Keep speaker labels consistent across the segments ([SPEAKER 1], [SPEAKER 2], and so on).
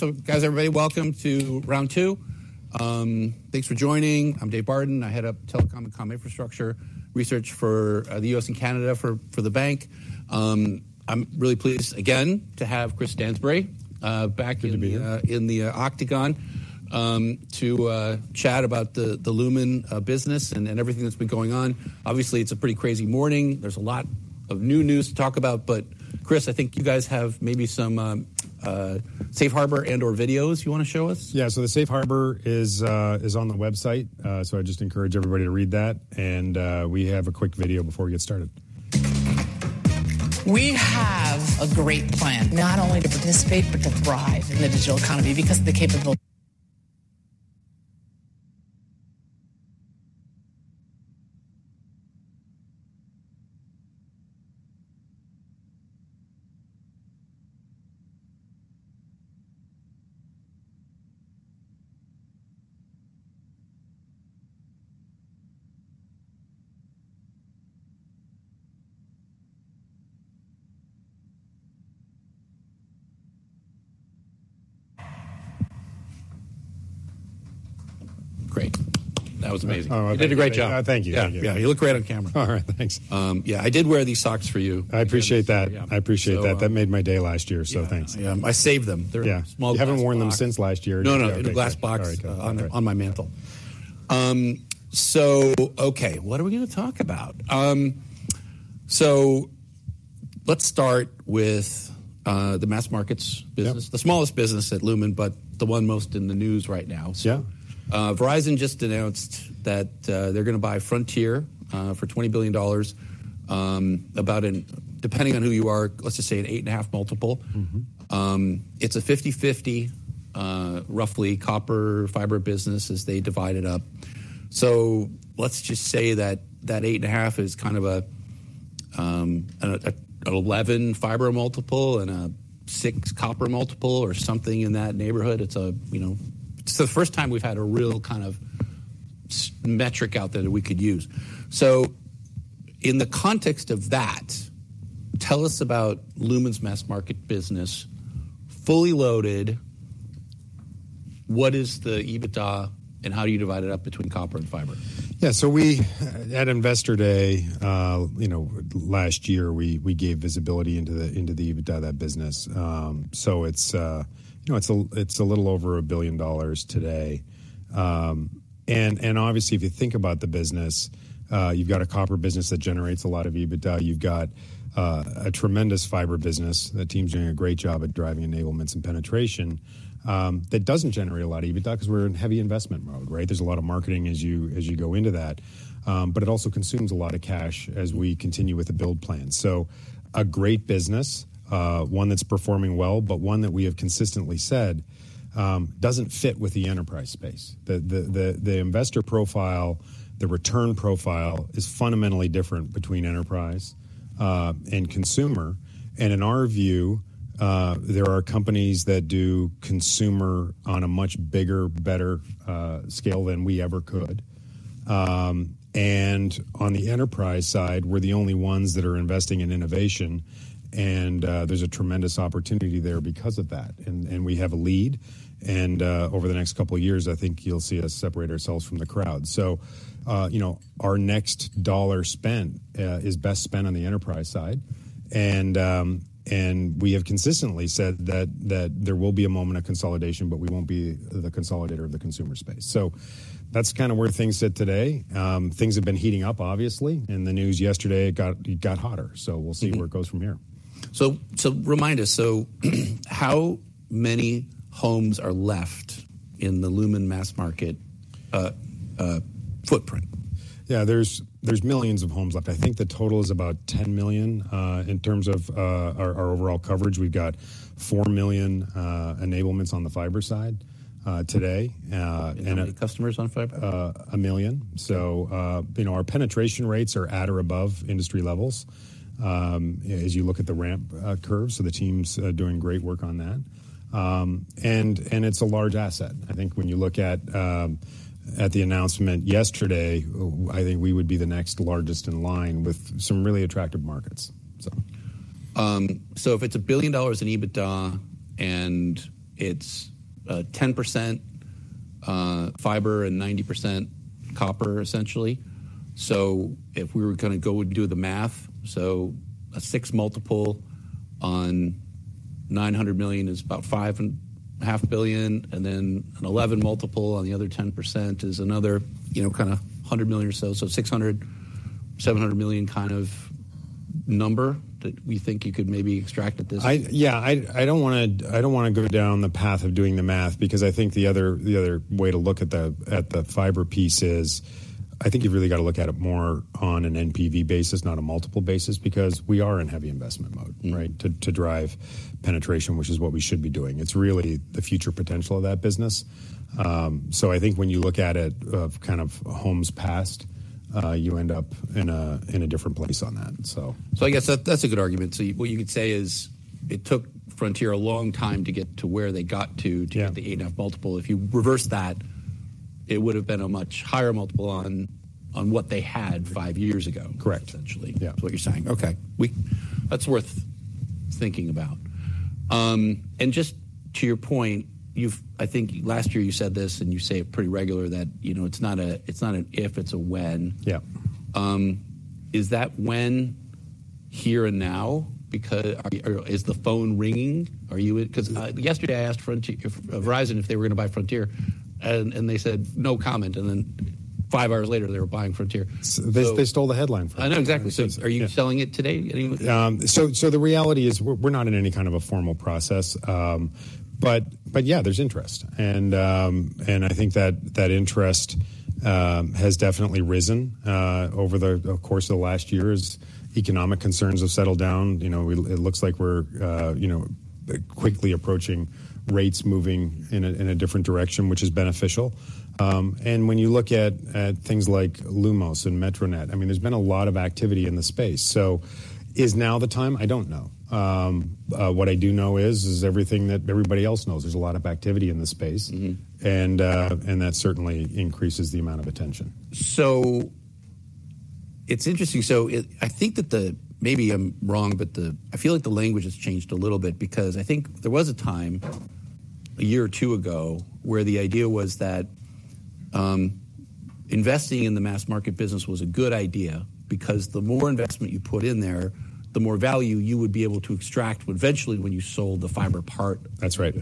[SPEAKER 1] So guys, everybody, welcome to round two. Thanks for joining. I'm Dave Barden. I head up telecom and comm infrastructure research for the U.S. and Canada for the bank. I'm really pleased again to have Chris Stansbury back-
[SPEAKER 2] Good to be here.
[SPEAKER 1] In the octagon to chat about the Lumen business and everything that's been going on. Obviously, it's a pretty crazy morning. There's a lot of new news to talk about, but Chris, I think you guys have maybe some safe harbor and/or videos you want to show us?
[SPEAKER 2] Yeah. So the safe harbor is on the website. So I just encourage everybody to read that, and we have a quick video before we get started. We have a great plan not only to participate but to thrive in the digital economy because of the capability-
[SPEAKER 1] Great. That was amazing.
[SPEAKER 2] Oh, you did a great job.
[SPEAKER 1] Thank you.
[SPEAKER 2] Thank you.
[SPEAKER 1] Yeah. You look great on camera.
[SPEAKER 2] All right. Thanks.
[SPEAKER 1] Yeah, I did wear these socks for you.
[SPEAKER 2] I appreciate that.
[SPEAKER 1] Yeah.
[SPEAKER 2] I appreciate that. That made my day last year, so thanks.
[SPEAKER 1] Yeah. I saved them.
[SPEAKER 2] Yeah.
[SPEAKER 1] They're small-
[SPEAKER 2] You haven't worn them since last year.
[SPEAKER 1] No, no, in a glass box-
[SPEAKER 2] All right.
[SPEAKER 1] -on, on my mantle. So okay, what are we gonna talk about? So let's start with the mass markets business.
[SPEAKER 2] Yeah.
[SPEAKER 1] The smallest business at Lumen, but the one most in the news right now.
[SPEAKER 2] Yeah.
[SPEAKER 1] Verizon just announced that they're gonna buy Frontier for $20 billion, depending on who you are. Let's just say an eight and a half multiple.
[SPEAKER 2] Mm-hmm.
[SPEAKER 1] It's a 50/50, roughly copper fiber business as they divide it up. So let's just say that 8.5 is kind of a 11 fiber multiple and a six copper multiple or something in that neighborhood. You know, it's the first time we've had a real kind of metric out there that we could use. So in the context of that, tell us about Lumen's mass market business, fully loaded, what is the EBITDA, and how do you divide it up between copper and fiber?
[SPEAKER 2] Yeah, so we at Investor Day, you know, last year, we gave visibility into the EBITDA of that business. So it's, you know, it's a little over $1 billion today. And obviously, if you think about the business, you've got a copper business that generates a lot of EBITDA. You've got a tremendous fiber business, the team's doing a great job at driving enablements and penetration, that doesn't generate a lot of EBITDA because we're in heavy investment mode, right? There's a lot of marketing as you go into that, but it also consumes a lot of cash as we continue with the build plan. So a great business, one that's performing well, but one that we have consistently said doesn't fit with the enterprise space. The investor profile, the return profile is fundamentally different between enterprise and consumer. And in our view, there are companies that do consumer on a much bigger, better scale than we ever could. And on the enterprise side, we're the only ones that are investing in innovation, and there's a tremendous opportunity there because of that. And we have a lead, and over the next couple of years, I think you'll see us separate ourselves from the crowd. So, you know, our next dollar spend is best spent on the enterprise side. And we have consistently said that there will be a moment of consolidation, but we won't be the consolidator of the consumer space. So that's kind of where things sit today. Things have been heating up, obviously, and the news yesterday, it got hotter. So we'll see-
[SPEAKER 1] Mm-hmm.
[SPEAKER 2] where it goes from here.
[SPEAKER 1] Remind us, how many homes are left in the Lumen mass market footprint?
[SPEAKER 2] Yeah, there's millions of homes left. I think the total is about 10 million. In terms of our overall coverage, we've got 4 million enablements on the fiber side today, and-
[SPEAKER 1] How many customers on fiber?
[SPEAKER 2] A million. So, you know, our penetration rates are at or above industry levels, as you look at the ramp, curve, so the team's doing great work on that. And it's a large asset. I think when you look at the announcement yesterday, I think we would be the next largest in line with some really attractive markets, so...
[SPEAKER 1] So if it's $1 billion in EBITDA, and it's 10% fiber and 90% copper, essentially, so if we were gonna go and do the math, so a six multiple on $900 million is about $5.5 billion, and then an 11 multiple on the other 10% is another, you know, kinda $100 million or so, so $600 million-$700 million kind of number that we think you could maybe extract at this-
[SPEAKER 2] Yeah, I don't wanna go down the path of doing the math because I think the other way to look at the fiber piece is, I think you've really got to look at it more on an NPV basis, not a multiple basis, because we are in heavy investment mode-
[SPEAKER 1] Mm.
[SPEAKER 2] Right? To, to drive penetration, which is what we should be doing. It's really the future potential of that business. So I think when you look at it, of kind of homes passed, you end up in a, in a different place on that, so...
[SPEAKER 1] So I guess that, that's a good argument. So what you could say is, it took Frontier a long time to get to where they got to-
[SPEAKER 2] Yeah
[SPEAKER 1] To get the eight and a half multiple. If you reverse that, it would have been a much higher multiple on what they had five years ago?
[SPEAKER 2] Correct.
[SPEAKER 1] Essentially.
[SPEAKER 2] Yeah.
[SPEAKER 1] That's what you're saying. Okay. That's worth thinking about. And just to your point, you've-- I think last year you said this, and you say it pretty regular, that, you know, it's not a, it's not an if, it's a when.
[SPEAKER 2] Yeah.
[SPEAKER 1] Is that happening here and now, because, or is the phone ringing? Are you? 'Cause yesterday, I asked Verizon if they were gonna buy Frontier, and they said, "No comment." And then five hours later, they were buying Frontier.
[SPEAKER 2] They stole the headline from you.
[SPEAKER 1] I know. Exactly.
[SPEAKER 2] Yeah.
[SPEAKER 1] So are you selling it today, anyway?
[SPEAKER 2] So the reality is, we're not in any kind of a formal process, but yeah, there's interest. And I think that interest has definitely risen over the course of the last year as economic concerns have settled down. You know, it looks like we're you know, quickly approaching rates moving in a different direction, which is beneficial. And when you look at things like Lumos and Metronet, I mean, there's been a lot of activity in the space. So is now the time? I don't know. What I do know is everything that everybody else knows, there's a lot of activity in the space.
[SPEAKER 1] Mm-hmm.
[SPEAKER 2] That certainly increases the amount of attention.
[SPEAKER 1] It's interesting. I think. Maybe I'm wrong, but I feel like the language has changed a little bit because I think there was a time, a year or two ago, where the idea was that investing in the mass market business was a good idea because the more investment you put in there, the more value you would be able to extract eventually when you sold the fiber part.
[SPEAKER 2] That's right.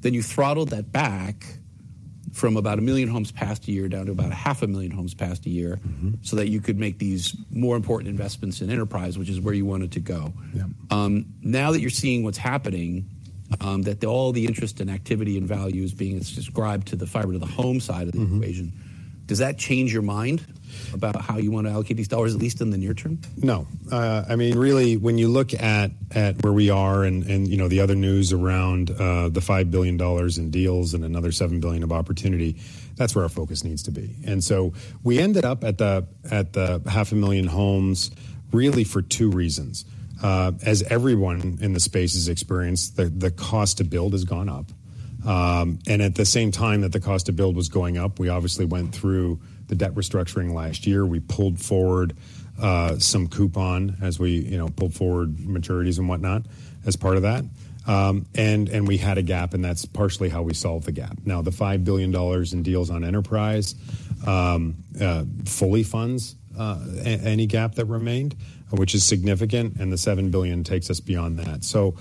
[SPEAKER 1] Then you throttled that back from about 1 million homes passed a year, down to about 500,000 homes passed a year.
[SPEAKER 2] Mm-hmm.
[SPEAKER 1] So that you could make these more important investments in enterprise, which is where you wanted to go.
[SPEAKER 2] Yeah.
[SPEAKER 1] Now that you're seeing what's happening, that all the interest and activity and value is being subscribed to the fiber-to-the-home side of the equation.
[SPEAKER 2] Mm-hmm.
[SPEAKER 1] Does that change your mind about how you want to allocate these dollars, at least in the near term?
[SPEAKER 2] No. I mean, really, when you look at where we are and, you know, the other news around the $5 billion in deals and another $7 billion of opportunity, that's where our focus needs to be. And so we ended up at the 500,000 homes really for two reasons. As everyone in the space has experienced, the cost to build has gone up. And at the same time that the cost to build was going up, we obviously went through the debt restructuring last year. We pulled forward some coupon as we, you know, pulled forward maturities and whatnot as part of that. And we had a gap, and that's partially how we solved the gap. Now, the $5 billion in deals on enterprise fully funds any gap that remained, which is significant, and the $7 billion takes us beyond that. So,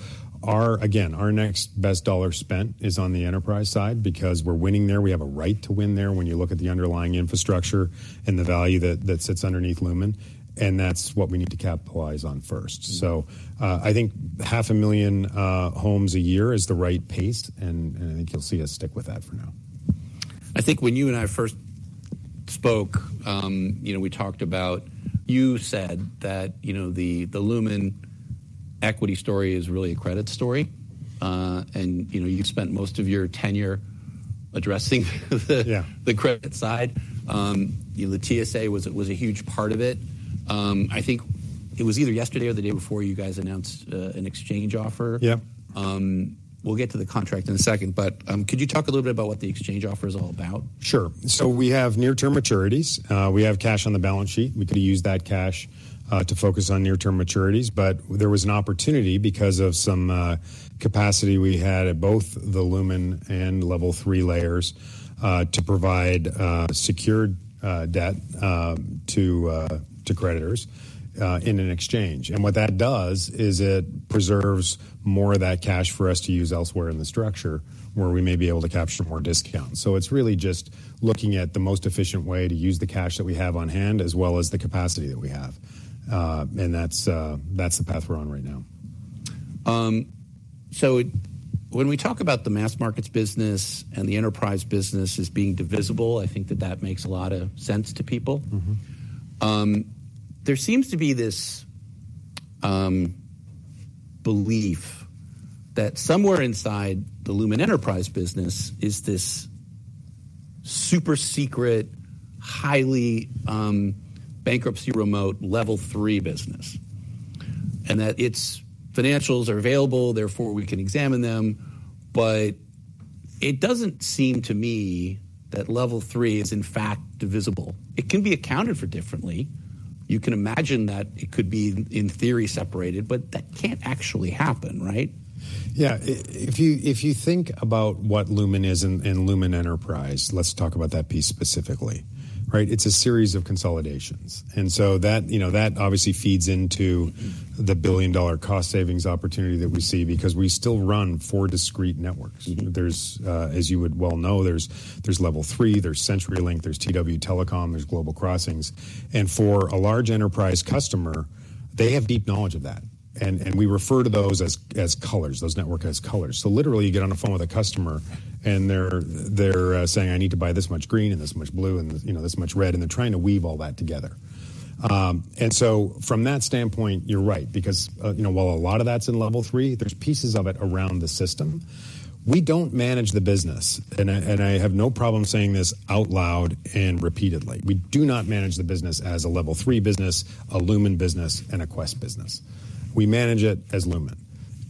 [SPEAKER 2] again, our next best dollar spent is on the enterprise side because we're winning there. We have a right to win there when you look at the underlying infrastructure and the value that sits underneath Lumen, and that's what we need to capitalize on first.
[SPEAKER 1] Mm-hmm.
[SPEAKER 2] I think 500,000 homes a year is the right pace, and I think you'll see us stick with that for now.
[SPEAKER 1] I think when you and I first spoke, you know, we talked about... You said that, you know, the Lumen equity story is really a credit story. And, you know, you've spent most of your tenure addressing the-
[SPEAKER 2] Yeah...
[SPEAKER 1] The credit side. The TSA was a huge part of it. I think it was either yesterday or the day before, you guys announced an exchange offer.
[SPEAKER 2] Yeah.
[SPEAKER 1] We'll get to the contract in a second. But, could you talk a little bit about what the exchange offer is all about?
[SPEAKER 2] Sure. So we have near-term maturities. We have cash on the balance sheet. We could use that cash to focus on near-term maturities, but there was an opportunity because of some capacity we had at both the Lumen and Level 3 layers to provide secured debt to creditors in an exchange. And what that does is it preserves more of that cash for us to use elsewhere in the structure, where we may be able to capture more discount. So it's really just looking at the most efficient way to use the cash that we have on hand, as well as the capacity that we have. And that's the path we're on right now.
[SPEAKER 1] So, when we talk about the mass markets business and the enterprise business as being divisible, I think that that makes a lot of sense to people.
[SPEAKER 2] Mm-hmm.
[SPEAKER 1] There seems to be this belief that somewhere inside the Lumen enterprise business is this super secret, highly, bankruptcy-remote Level 3 business, and that its financials are available, therefore, we can examine them. But it doesn't seem to me that Level 3 is, in fact, divisible. It can be accounted for differently.
[SPEAKER 2] Mm-hmm.
[SPEAKER 1] You can imagine that it could be, in theory, separated, but that can't actually happen, right?
[SPEAKER 2] Yeah. If you think about what Lumen is and Lumen Enterprise, let's talk about that piece specifically, right? It's a series of consolidations, and so that, you know, that obviously feeds into-
[SPEAKER 1] Mm-hmm
[SPEAKER 2] The billion-dollar cost savings opportunity that we see because we still run four discrete networks.
[SPEAKER 1] Mm-hmm.
[SPEAKER 2] There's as you would well know, there's Level 3, there's CenturyLink, there's tw telecom, there's Global Crossing. And for a large enterprise customer, they have deep knowledge of that, and we refer to those as colors, those networks as colors. So literally, you get on the phone with a customer, and they're saying, "I need to buy this much green and this much blue and, you know, this much red," and they're trying to weave all that together. And so from that standpoint, you're right, because you know, while a lot of that's in Level 3, there's pieces of it around the system. We don't manage the business, and I have no problem saying this out loud and repeatedly. We do not manage the business as a Level 3 business, a Lumen business, and a Qwest business. We manage it as Lumen...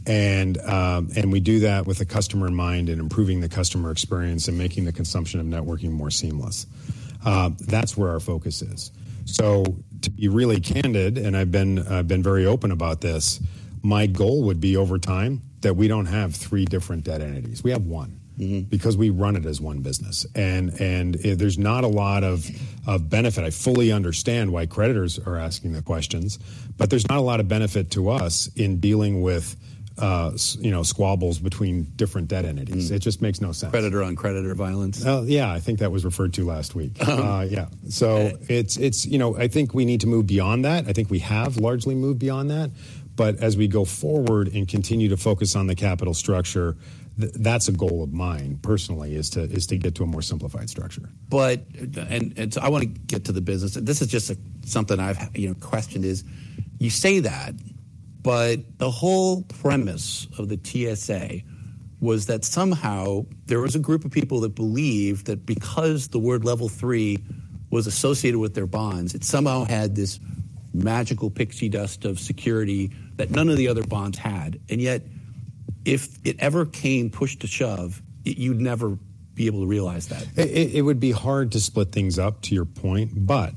[SPEAKER 2] and, and we do that with the customer in mind and improving the customer experience and making the consumption of networking more seamless. That's where our focus is. So to be really candid, and I've been very open about this, my goal would be, over time, that we don't have three different debt entities. We have one-
[SPEAKER 1] Mm-hmm.
[SPEAKER 2] Because we run it as one business, and there's not a lot of benefit. I fully understand why creditors are asking the questions, but there's not a lot of benefit to us in dealing with you know, squabbles between different debt entities.
[SPEAKER 1] Mm.
[SPEAKER 2] It just makes no sense.
[SPEAKER 1] Creditor on creditor violence?
[SPEAKER 2] Yeah, I think that was referred to last week. Yeah. So it's, you know, I think we need to move beyond that. I think we have largely moved beyond that, but as we go forward and continue to focus on the capital structure, that's a goal of mine, personally, is to get to a more simplified structure.
[SPEAKER 1] I wanna get to the business. This is just something I've, you know, questioned is, you say that, but the whole premise of the TSA was that somehow there was a group of people that believed that because the word Level 3 was associated with their bonds, it somehow had this magical pixie dust of security that none of the other bonds had. And yet, if it ever came push to shove, you'd never be able to realize that.
[SPEAKER 2] It would be hard to split things up, to your point, but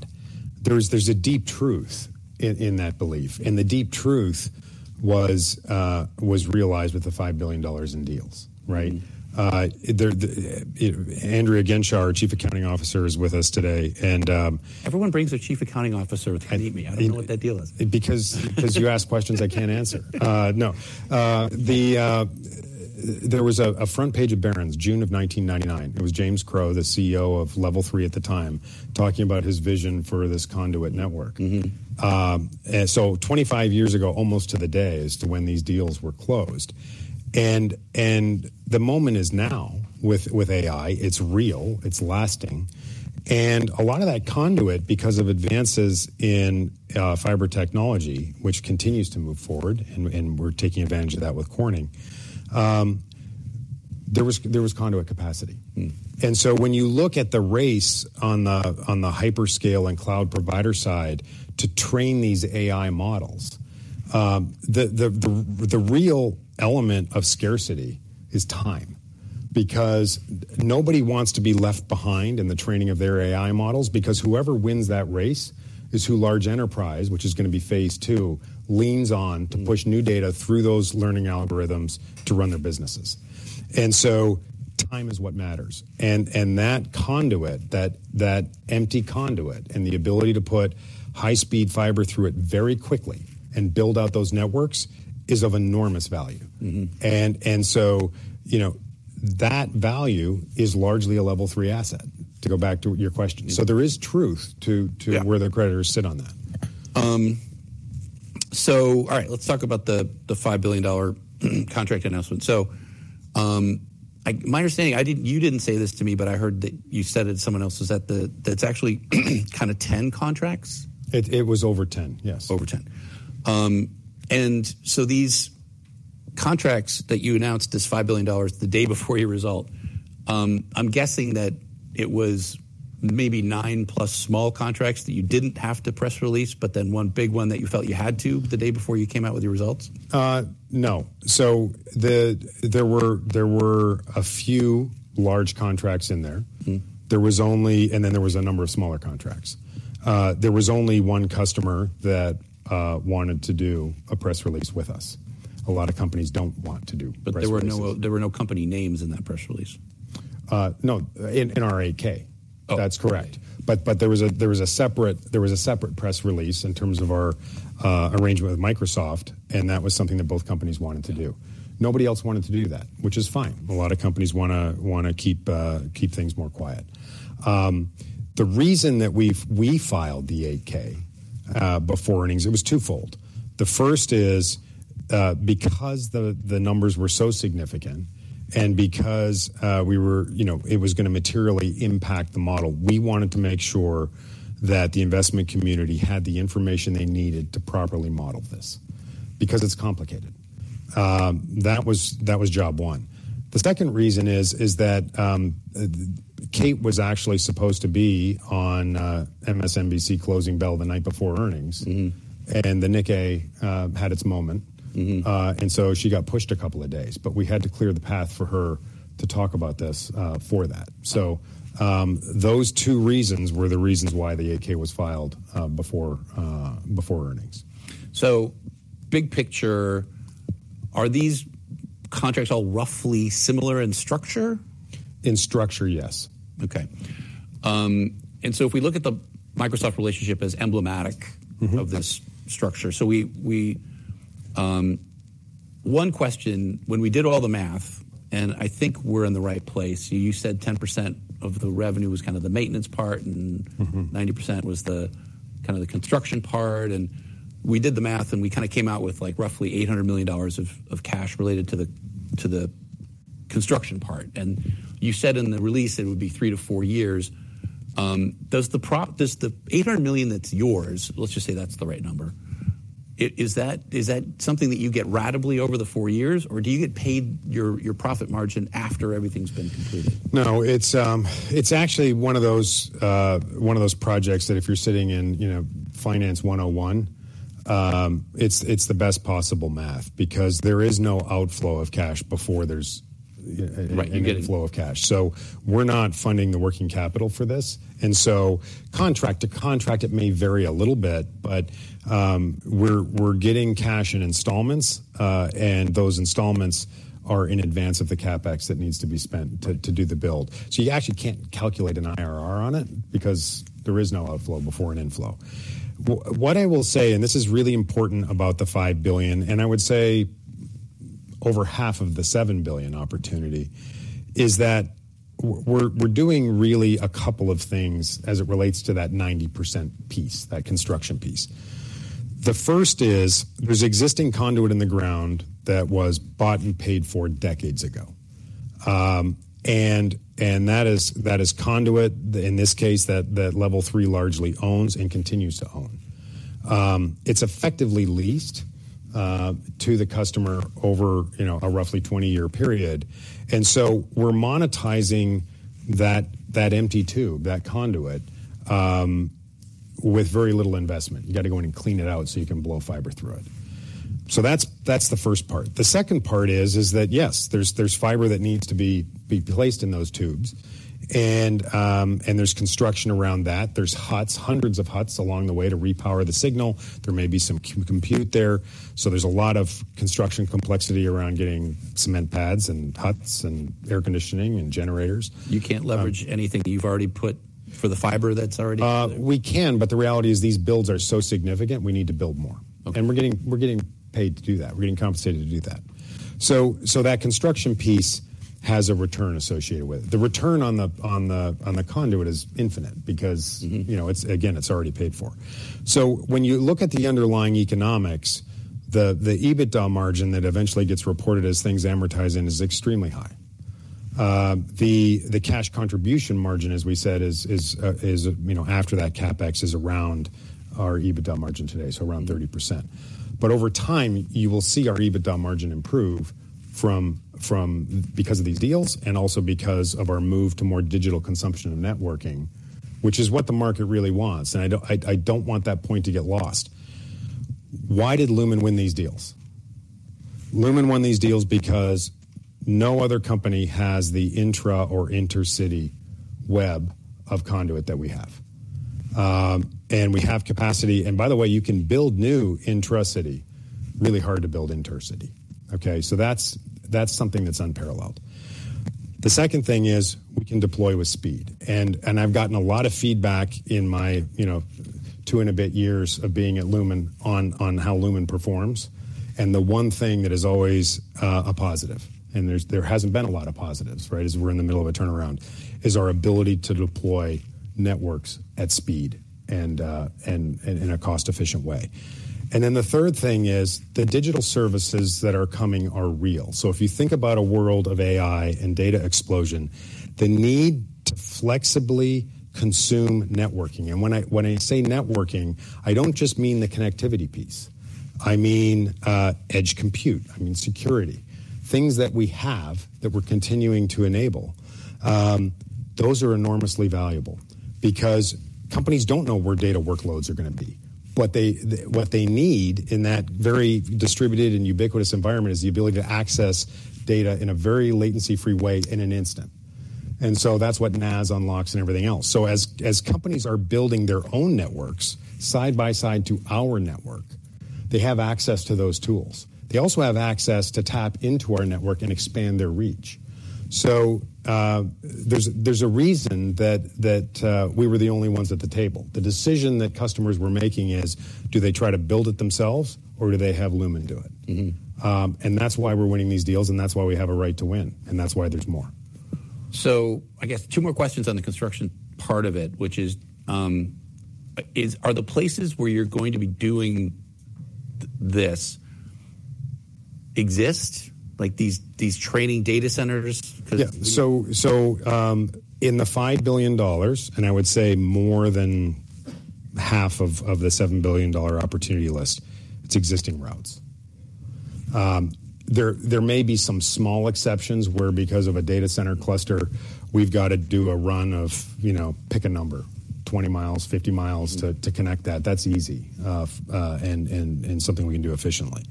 [SPEAKER 2] there's a deep truth in that belief, and the deep truth was realized with the $5 billion in deals, right?
[SPEAKER 1] Mm.
[SPEAKER 2] Andrea Genschaw, our Chief Accounting Officer, is with us today, and
[SPEAKER 1] Everyone brings their Chief Accounting Officer with them to meet me.
[SPEAKER 2] And-
[SPEAKER 1] I don't know what that deal is.
[SPEAKER 2] Because you ask questions I can't answer. No. There was a front page of Barron's, June of 1999. It was James Crowe, the CEO of Level 3 at the time, talking about his vision for this conduit network.
[SPEAKER 1] Mm-hmm.
[SPEAKER 2] And so 25 years ago, almost to the day, as to when these deals were closed, and the moment is now with AI. It's real, it's lasting, and a lot of that conduit, because of advances in fiber technology, which continues to move forward, and we're taking advantage of that with Corning. There was conduit capacity.
[SPEAKER 1] Mm.
[SPEAKER 2] And so when you look at the race on the hyperscale and cloud provider side to train these AI models, the real element of scarcity is time, because nobody wants to be left behind in the training of their AI models, because whoever wins that race is who large enterprise, which is gonna be Phase II, leans on.
[SPEAKER 1] Mm
[SPEAKER 2] To push new data through those learning algorithms to run their businesses. And so time is what matters. And that conduit, that empty conduit, and the ability to put high-speed fiber through it very quickly and build out those networks, is of enormous value.
[SPEAKER 1] Mm-hmm.
[SPEAKER 2] You know, that value is largely a Level 3 asset, to go back to your question.
[SPEAKER 1] Mm-hmm.
[SPEAKER 2] So there is truth to-
[SPEAKER 1] Yeah...
[SPEAKER 2] To where the creditors sit on that.
[SPEAKER 1] So all right, let's talk about the $5 billion contract announcement. So, my understanding, you didn't say this to me, but I heard that you said it to someone else, was that? That's actually kind of 10 contracts.
[SPEAKER 2] It was over 10, yes.
[SPEAKER 1] Over 10. And so these contracts that you announced, this $5 billion, the day before your result, I'm guessing that it was maybe nine-plus small contracts that you didn't have to press release, but then one big one that you felt you had to, the day before you came out with your results?
[SPEAKER 2] No. So there were a few large contracts in there.
[SPEAKER 1] Mm.
[SPEAKER 2] And then there was a number of smaller contracts. There was only one customer that wanted to do a press release with us. A lot of companies don't want to do press releases.
[SPEAKER 1] But there were no company names in that press release.
[SPEAKER 2] No. In our 8-K.
[SPEAKER 1] Oh.
[SPEAKER 2] That's correct, but there was a separate press release in terms of our arrangement with Microsoft, and that was something that both companies wanted to do.
[SPEAKER 1] Yeah.
[SPEAKER 2] Nobody else wanted to do that, which is fine. A lot of companies wanna keep things more quiet. The reason that we filed the 8-K before earnings, it was twofold. The first is because the numbers were so significant, and because we were. You know, it was gonna materially impact the model, we wanted to make sure that the investment community had the information they needed to properly model this, because it's complicated. That was job one. The second reason is that Kate was actually supposed to be on MSNBC Closing Bell the night before earnings.
[SPEAKER 1] Mm-hmm.
[SPEAKER 2] The Nikkei had its moment.
[SPEAKER 1] Mm-hmm.
[SPEAKER 2] And so she got pushed a couple of days, but we had to clear the path for her to talk about this, for that.
[SPEAKER 1] Mm.
[SPEAKER 2] Those two reasons were the reasons why the 8-K was filed before earnings.
[SPEAKER 1] So big picture, are these contracts all roughly similar in structure?
[SPEAKER 2] In structure, yes.
[SPEAKER 1] Okay, and so if we look at the Microsoft relationship as emblematic-
[SPEAKER 2] Mm-hmm...
[SPEAKER 1] of this structure, so we... One question, when we did all the math, and I think we're in the right place, you said 10% of the revenue was kind of the maintenance part, and-
[SPEAKER 2] Mm-hmm...
[SPEAKER 1] 90% was the kind of the construction part, and we did the math, and we kinda came out with, like, roughly $800 million of cash related to the construction part. You said in the release it would be 3-4 years. Does the $800 million that's yours, let's just say that's the right number, is that something that you get ratably over the four years, or do you get paid your profit margin after everything's been completed?
[SPEAKER 2] No, it's actually one of those projects that if you're sitting in, you know, Finance 101, it's the best possible math because there is no outflow of cash before there's right, an inflow of cash. So we're not funding the working capital for this, and so contract to contract, it may vary a little bit, but we're getting cash in installments, and those installments are in advance of the CapEx that needs to be spent to do the build. So you actually can't calculate an IRR on it because there is no outflow before an inflow. What I will say, and this is really important about the five billion, and I would say over half of the seven billion opportunity, is that we're doing really a couple of things as it relates to that 90% piece, that construction piece. The first is there's existing conduit in the ground that was bought and paid for decades ago. And that is conduit, in this case, that Level 3 largely owns and continues to own. It's effectively leased to the customer over, you know, a roughly 20-year period. And so we're monetizing that empty tube, that conduit, with very little investment. You got to go in and clean it out, so you can blow fiber through it. So that's the first part. The second part is that, yes, there's fiber that needs to be placed in those tubes, and there's construction around that. There's hundreds of huts along the way to repower the signal. There may be some compute there, so there's a lot of construction complexity around getting cement pads, and huts, and air conditioning, and generators.
[SPEAKER 1] You can't leverage anything that you've already put for the fiber that's already there?
[SPEAKER 2] We can, but the reality is these builds are so significant, we need to build more.
[SPEAKER 1] Okay.
[SPEAKER 2] We're getting, we're getting paid to do that. We're getting compensated to do that. That construction piece has a return associated with it. The return on the conduit is infinite because-
[SPEAKER 1] Mm-hmm...
[SPEAKER 2] You know, it's already paid for. So when you look at the underlying economics, the EBITDA margin that eventually gets reported as things amortize in is extremely high. The cash contribution margin, as we said, is, you know, after that CapEx, around our EBITDA margin today, so around 30%. But over time, you will see our EBITDA margin improve because of these deals and also because of our move to more digital consumption and networking, which is what the market really wants, and I don't want that point to get lost. Why did Lumen win these deals? Lumen won these deals because no other company has the intra or intercity web of conduit that we have. And we have capacity, and by the way, you can build new intracity, really hard to build intercity, okay? So that's, that's something that's unparalleled. The second thing is we can deploy with speed, and I've gotten a lot of feedback in my, you know, two and a bit years of being at Lumen on how Lumen performs, and the one thing that is always a positive, and there's, there hasn't been a lot of positives, right, as we're in the middle of a turnaround, is our ability to deploy networks at speed and in a cost-efficient way. And then the third thing is, the digital services that are coming are real. So if you think about a world of AI and data explosion, the need to flexibly consume networking, and when I say networking, I don't just mean the connectivity piece. I mean, edge compute. I mean, security. Things that we have that we're continuing to enable, those are enormously valuable because companies don't know where data workloads are gonna be. What they need in that very distributed and ubiquitous environment is the ability to access data in a very latency-free way in an instant, and so that's what NaaS unlocks and everything else. So as companies are building their own networks side by side to our network, they have access to those tools. They also have access to tap into our network and expand their reach. So, there's a reason that we were the only ones at the table. The decision that customers were making is: do they try to build it themselves, or do they have Lumen do it?
[SPEAKER 1] Mm-hmm.
[SPEAKER 2] And that's why we're winning these deals, and that's why we have a right to win, and that's why there's more.
[SPEAKER 1] So I guess two more questions on the construction part of it, which is, are the places where you're going to be doing this exist, like these training data centers? Because-
[SPEAKER 2] Yeah. So, in the $5 billion, and I would say more than half of the $7 billion opportunity list, it's existing routes. There may be some small exceptions where, because of a data center cluster, we've got to do a run of, you know, pick a number, 20 mi, 50 mi-
[SPEAKER 1] Mm-hmm...
[SPEAKER 2] To connect that. That's easy, and something we can do efficiently.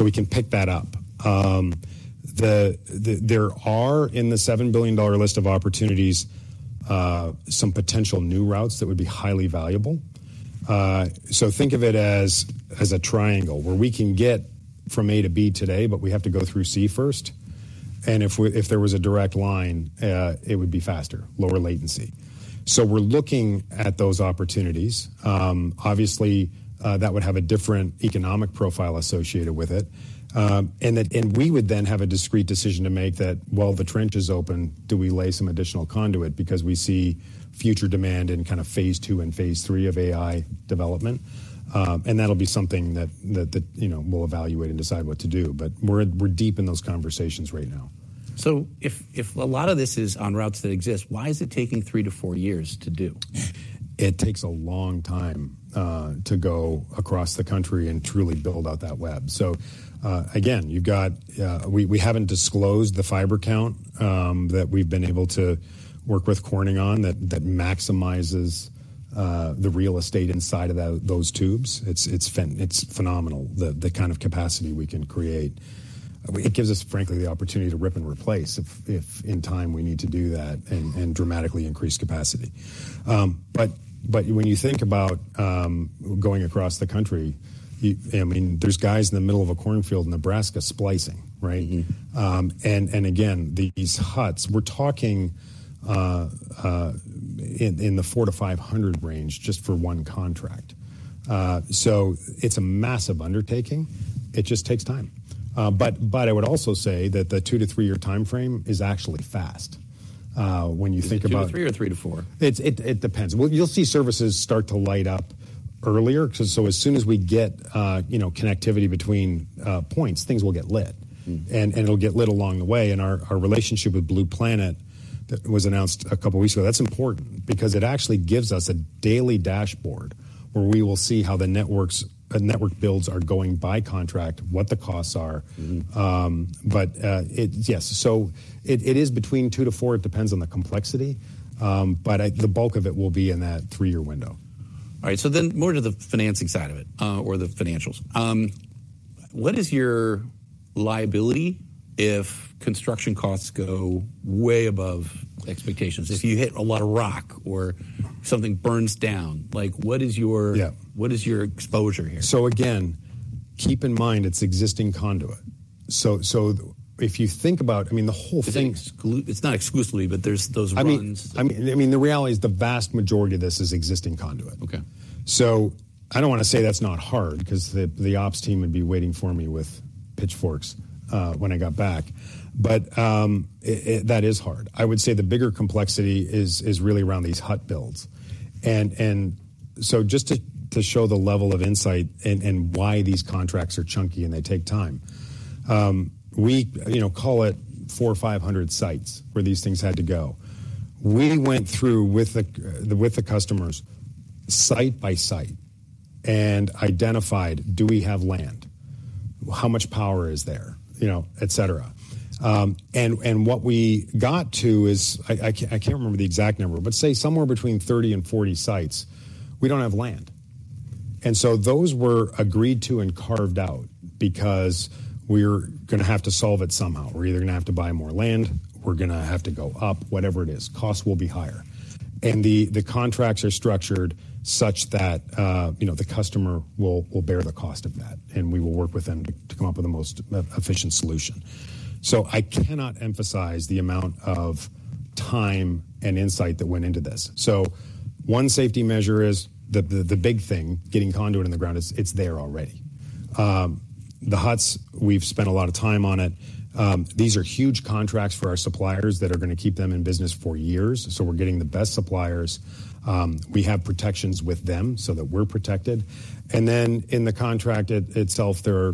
[SPEAKER 2] We can pick that up. There are, in the $7 billion list of opportunities, some potential new routes that would be highly valuable. So think of it as a triangle, where we can get from A to B today, but we have to go through C first, and if there was a direct line, it would be faster, lower latency. We're looking at those opportunities. Obviously, that would have a different economic profile associated with it, and we would then have a discrete decision to make that, while the trench is open, do we lay some additional conduit because we see future demand in kind of Phase II and Phase III of AI development? And that'll be something that, you know, we'll evaluate and decide what to do, but we're deep in those conversations right now.
[SPEAKER 1] If a lot of this is on routes that exist, why is it taking three to four years to do?
[SPEAKER 2] It takes a long time to go across the country and truly build out that web. So, again, you've got. We haven't disclosed the fiber count that we've been able to work with Corning on, that maximizes the real estate inside of that, those tubes. It's phenomenal, the kind of capacity we can create. I mean, it gives us, frankly, the opportunity to rip and replace if in time we need to do that and dramatically increase capacity. But when you think about going across the country, I mean, there's guys in the middle of a cornfield in Nebraska splicing, right?
[SPEAKER 1] Mm-hmm.
[SPEAKER 2] Again, these huts, we're talking in the four to five hundred range just for one contract. So it's a massive undertaking. It just takes time. But I would also say that the two to three-year timeframe is actually fast when you think about-
[SPEAKER 1] Two to three or three to four?
[SPEAKER 2] It depends. Well, you'll see services start to light up earlier. So as soon as we get you know connectivity between points, things will get lit.
[SPEAKER 1] Mm.
[SPEAKER 2] And it'll get lit along the way. And our relationship with Blue Planet that was announced a couple of weeks ago, that's important because it actually gives us a daily dashboard where we will see how the network builds are going by contract, what the costs are.
[SPEAKER 1] Mm-hmm.
[SPEAKER 2] Yes, so it is between two to four. It depends on the complexity, but the bulk of it will be in that three-year window.
[SPEAKER 1] All right, so then more to the financing side of it, or the financials. What is your liability if construction costs go way above expectations? If you hit a lot of rock or something burns down, like, what is your-
[SPEAKER 2] Yeah.
[SPEAKER 1] What is your exposure here?
[SPEAKER 2] So again, keep in mind, it's existing conduit. So if you think about it, I mean, the whole thing-
[SPEAKER 1] It's not exclusively, but there's those runs.
[SPEAKER 2] I mean, the reality is the vast majority of this is existing conduit.
[SPEAKER 1] Okay.
[SPEAKER 2] So I don't wanna say that's not hard 'cause the ops team would be waiting for me with pitchforks when I got back. But that is hard. I would say the bigger complexity is really around these hut builds. And so just to show the level of insight and why these contracts are chunky, and they take time. You know, call it 400 or 500 sites where these things had to go. We went through with the customers site by site and identified: Do we have land? How much power is there? You know, et cetera. And what we got to is... I can't remember the exact number, but say somewhere between 30 and 40 sites, we don't have land. And so those were agreed to and carved out because we're gonna have to solve it somehow. We're either gonna have to buy more land, we're gonna have to go up, whatever it is. Costs will be higher, and the contracts are structured such that, you know, the customer will bear the cost of that, and we will work with them to come up with the most efficient solution. So I cannot emphasize the amount of time and insight that went into this. So one safety measure is the big thing, getting conduit in the ground. It's there already. The huts, we've spent a lot of time on it. These are huge contracts for our suppliers that are gonna keep them in business for years, so we're getting the best suppliers. We have protections with them so that we're protected. And then in the contract itself, there are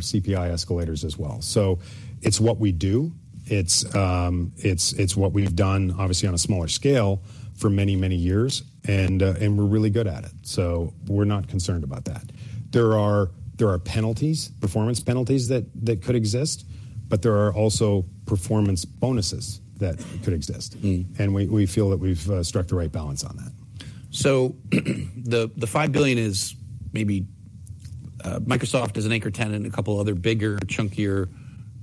[SPEAKER 2] CPI escalators as well. So it's what we do. It's what we've done, obviously on a smaller scale, for many, many years, and we're really good at it, so we're not concerned about that. There are penalties, performance penalties that could exist, but there are also performance bonuses that could exist.
[SPEAKER 1] Mm.
[SPEAKER 2] We feel that we've struck the right balance on that.
[SPEAKER 1] So the $5 billion is maybe Microsoft is an anchor tenant and a couple of other bigger, chunkier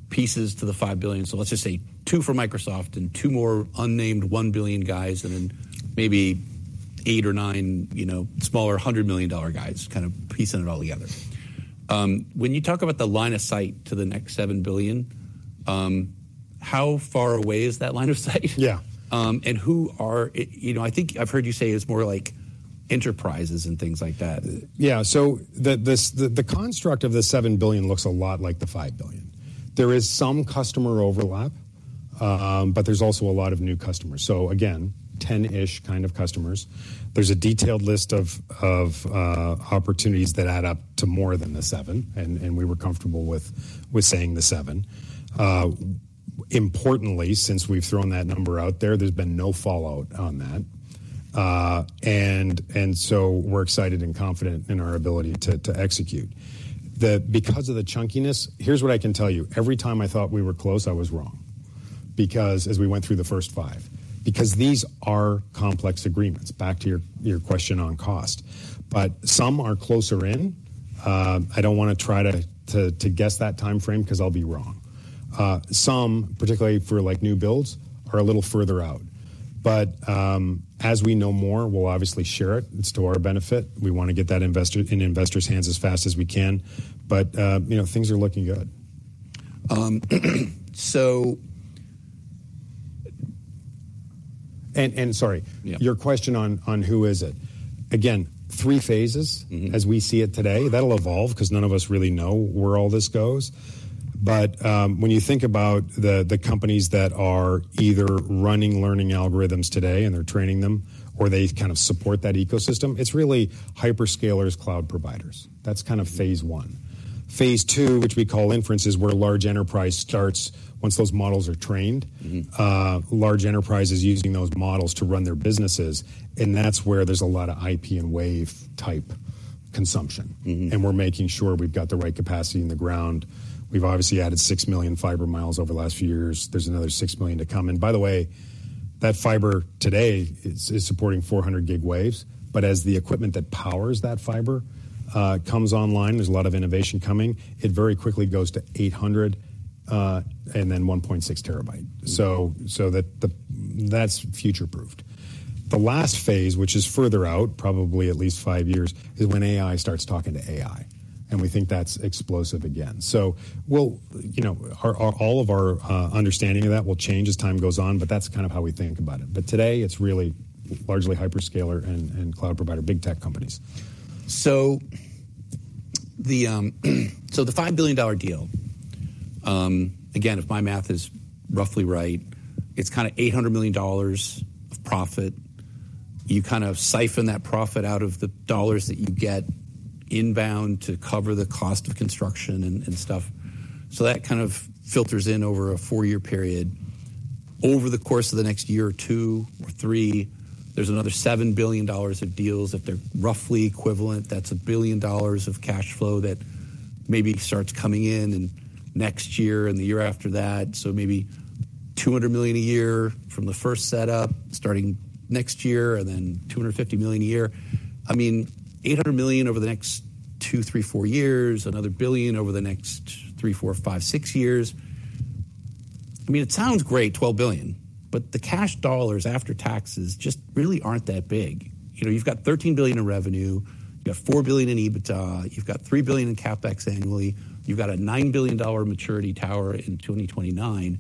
[SPEAKER 1] pieces to the $5 billion. So let's just say $2 billion for Microsoft and two more unnamed $1 billion guys and then maybe eight or nine, you know, smaller $100 million guys kind of piecing it all together. When you talk about the line of sight to the next $7 billion, how far away is that line of sight?
[SPEAKER 2] Yeah.
[SPEAKER 1] You know, I think I've heard you say it's more like enterprises and things like that.
[SPEAKER 2] Yeah. So the construct of the $7 billion looks a lot like the $5 billion. There is some customer overlap, but there's also a lot of new customers. So again, 10-ish kind of customers. There's a detailed list of opportunities that add up to more than the seven, and we were comfortable with saying the seven. Importantly, since we've thrown that number out there, there's been no fallout on that. And so we're excited and confident in our ability to execute. Because of the chunkiness, here's what I can tell you. Every time I thought we were close, I was wrong, because as we went through the first five, because these are complex agreements, back to your question on cost. But some are closer in. I don't wanna try to guess that timeframe 'cause I'll be wrong. Some, particularly for, like, new builds, are a little further out, but as we know more, we'll obviously share it. It's to our benefit. We wanna get that in investors' hands as fast as we can, but you know, things are looking good.
[SPEAKER 1] Um, so-
[SPEAKER 2] Sorry.
[SPEAKER 1] Yeah.
[SPEAKER 2] Your question on who is it? Again, three phases-
[SPEAKER 1] Mm-hmm.
[SPEAKER 2] as we see it today. That'll evolve 'cause none of us really know where all this goes. But, when you think about the companies that are either running learning algorithms today, and they're training them, or they kind of support that ecosystem, it's really hyperscalers, cloud providers. That's kind of Phase I. Phase II, which we call inference, is where large enterprise starts once those models are trained.
[SPEAKER 1] Mm-hmm.
[SPEAKER 2] Large enterprises using those models to run their businesses, and that's where there's a lot of IP and wave-type consumption.
[SPEAKER 1] Mm-hmm.
[SPEAKER 2] We're making sure we've got the right capacity in the ground. We've obviously added 6 million fiber miles over the last few years. There's another 6 million to come. By the way, that fiber today is supporting 400 gig waves. But as the equipment that powers that fiber comes online, there's a lot of innovation coming. It very quickly goes to 800 Gb, and then 1.6 Tb So that's future-proofed. The last phase, which is further out, probably at least five years, is when AI starts talking to AI, and we think that's explosive again. So we'll, you know, our all of our understanding of that will change as time goes on, but that's kind of how we think about it. But today, it's really largely hyperscaler and cloud provider, big tech companies.
[SPEAKER 1] So the $5 billion deal, again, if my math is roughly right, it's kinda $800 million of profit. You kind of siphon that profit out of the dollars that you get inbound to cover the cost of construction and stuff. So that kind of filters in over a four-year period. Over the course of the next year or two or three, there's another $7 billion of deals. If they're roughly equivalent, that's a billion dollars of cash flow that maybe starts coming in in next year and the year after that. So maybe $200 million a year from the first set up, starting next year, and then $250 million a year. I mean, $800 million over the next two, three, four years, another $1 billion over the next three, four, five, six years. I mean, it sounds great, $12 billion, but the cash dollars after taxes just really aren't that big. You know, you've got $13 billion in revenue, you've got $4 billion in EBITDA, you've got $3 billion in CapEx annually, you've got a $9 billion maturity tower in 2029.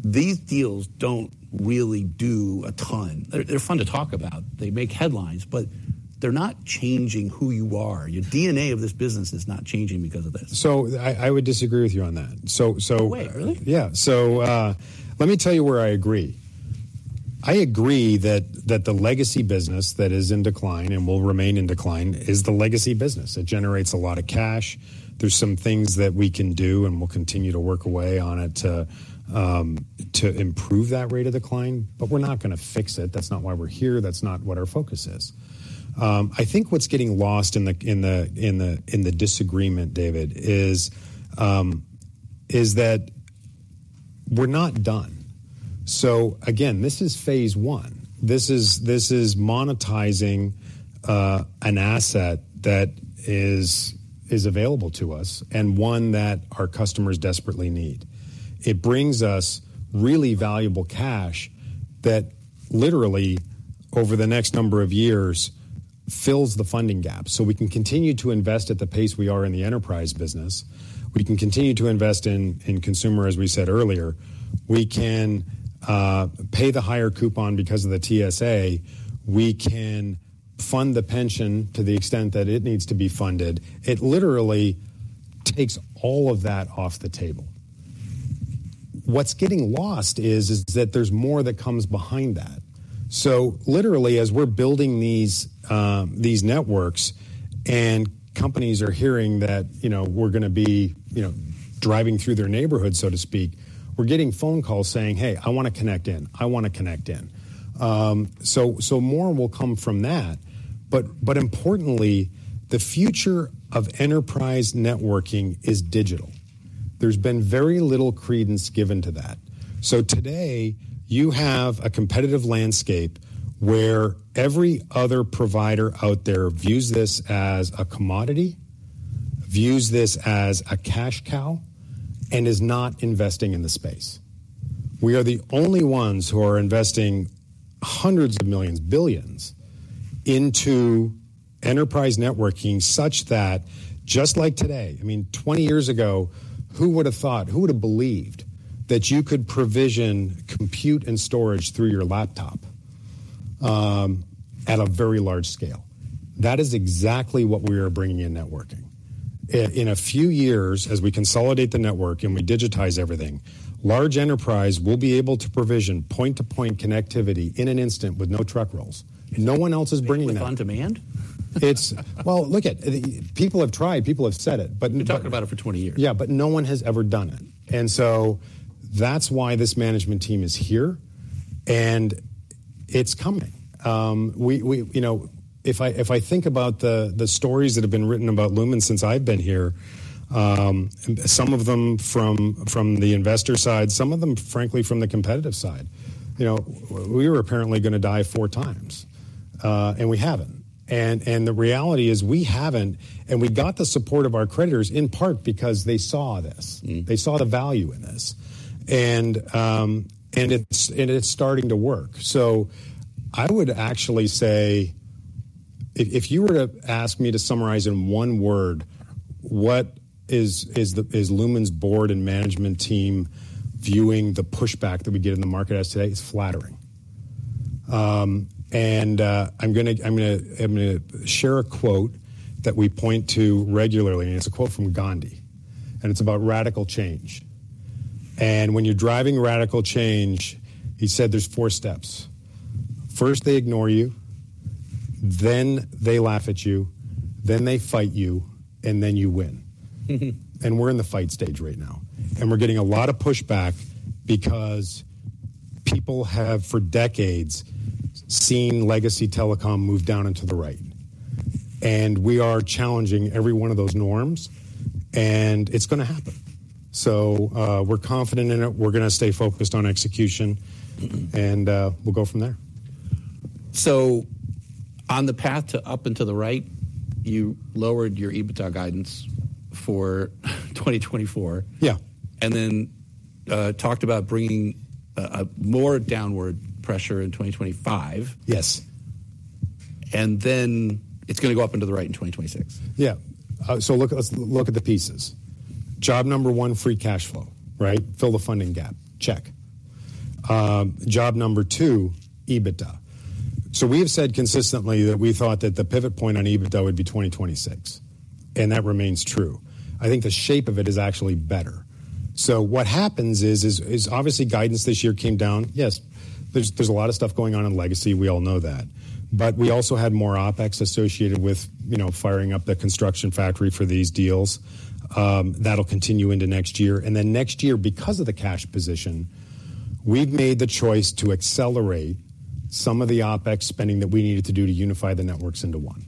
[SPEAKER 1] These deals don't really do a ton. They're fun to talk about. They make headlines, but they're not changing who you are. Your DNA of this business is not changing because of this.
[SPEAKER 2] So I would disagree with you on that. So,
[SPEAKER 1] Wait, really?
[SPEAKER 2] Yeah. So, let me tell you where I agree. I agree that the legacy business that is in decline and will remain in decline is the legacy business. It generates a lot of cash. There's some things that we can do, and we'll continue to work away on it to improve that rate of decline, but we're not gonna fix it. That's not why we're here, that's not what our focus is. I think what's getting lost in the disagreement, David, is that we're not done. So again, this is Phase I. This is monetizing an asset that is available to us and one that our customers desperately need. It brings us really valuable cash that literally, over the next number of years, fills the funding gap, so we can continue to invest at the pace we are in the enterprise business, we can continue to invest in consumer, as we said earlier, we can pay the higher coupon because of the TSA, we can fund the pension to the extent that it needs to be funded. It literally takes all of that off the table. What's getting lost is that there's more that comes behind that, so literally, as we're building these networks, and companies are hearing that, you know, we're gonna be, you know, driving through their neighborhood, so to speak, we're getting phone calls saying, "Hey, I wanna connect in. I wanna connect in," so more will come from that. But importantly, the future of enterprise networking is digital. There's been very little credence given to that. So today, you have a competitive landscape where every other provider out there views this as a commodity, views this as a cash cow, and is not investing in the space. We are the only ones who are investing hundreds of millions, billions, into enterprise networking, such that just like today. I mean, 20 years ago, who would have thought, who would have believed that you could provision, compute, and storage through your laptop, at a very large scale? That is exactly what we are bringing in networking. In a few years, as we consolidate the network and we digitize everything, large enterprise will be able to provision point-to-point connectivity in an instant with no truck rolls, and no one else is bringing that.
[SPEAKER 1] On demand?
[SPEAKER 2] Well, look at it. People have tried, people have said it, but.
[SPEAKER 1] We've talked about it for 20 years.
[SPEAKER 2] Yeah, but no one has ever done it. And so that's why this management team is here, and it's coming. You know, if I think about the stories that have been written about Lumen since I've been here, some of them from the investor side, some of them, frankly, from the competitive side, you know, we were apparently gonna die four times, and we haven't. And the reality is, we haven't, and we got the support of our creditors in part because they saw this.
[SPEAKER 1] Mm.
[SPEAKER 2] They saw the value in this. And it's starting to work. So I would actually say if you were to ask me to summarize in one word, what is Lumen's board and management team viewing the pushback that we get in the market as today? It's flattering. I'm gonna share a quote that we point to regularly, and it's a quote from Gandhi, and it's about radical change. "And when you're driving radical change," he said, "there's four steps. First, they ignore you, then they laugh at you, then they fight you, and then you win." And we're in the fight stage right now, and we're getting a lot of pushback because people have, for decades, seen legacy telecom move down into the right....and we are challenging every one of those norms, and it's going to happen. So, we're confident in it. We're going to stay focused on execution, and we'll go from there.
[SPEAKER 1] So on the path to up and to the right, you lowered your EBITDA guidance for 2024.
[SPEAKER 2] Yeah.
[SPEAKER 1] And then talked about bringing more downward pressure in 2025.
[SPEAKER 2] Yes.
[SPEAKER 1] And then it's going to go up into the right in 2026.
[SPEAKER 2] Yeah. So look, let's look at the pieces. Job number one, free cash flow, right? Fill the funding gap. Check. Job number two, EBITDA. So we have said consistently that we thought that the pivot point on EBITDA would be 2026, and that remains true. I think the shape of it is actually better. So what happens is obviously guidance this year came down. Yes, there's a lot of stuff going on in Legacy. We all know that. But we also had more OpEx associated with, you know, firing up the construction factory for these deals. That'll continue into next year, and then next year, because of the cash position, we've made the choice to accelerate some of the OpEx spending that we needed to do to unify the networks into one,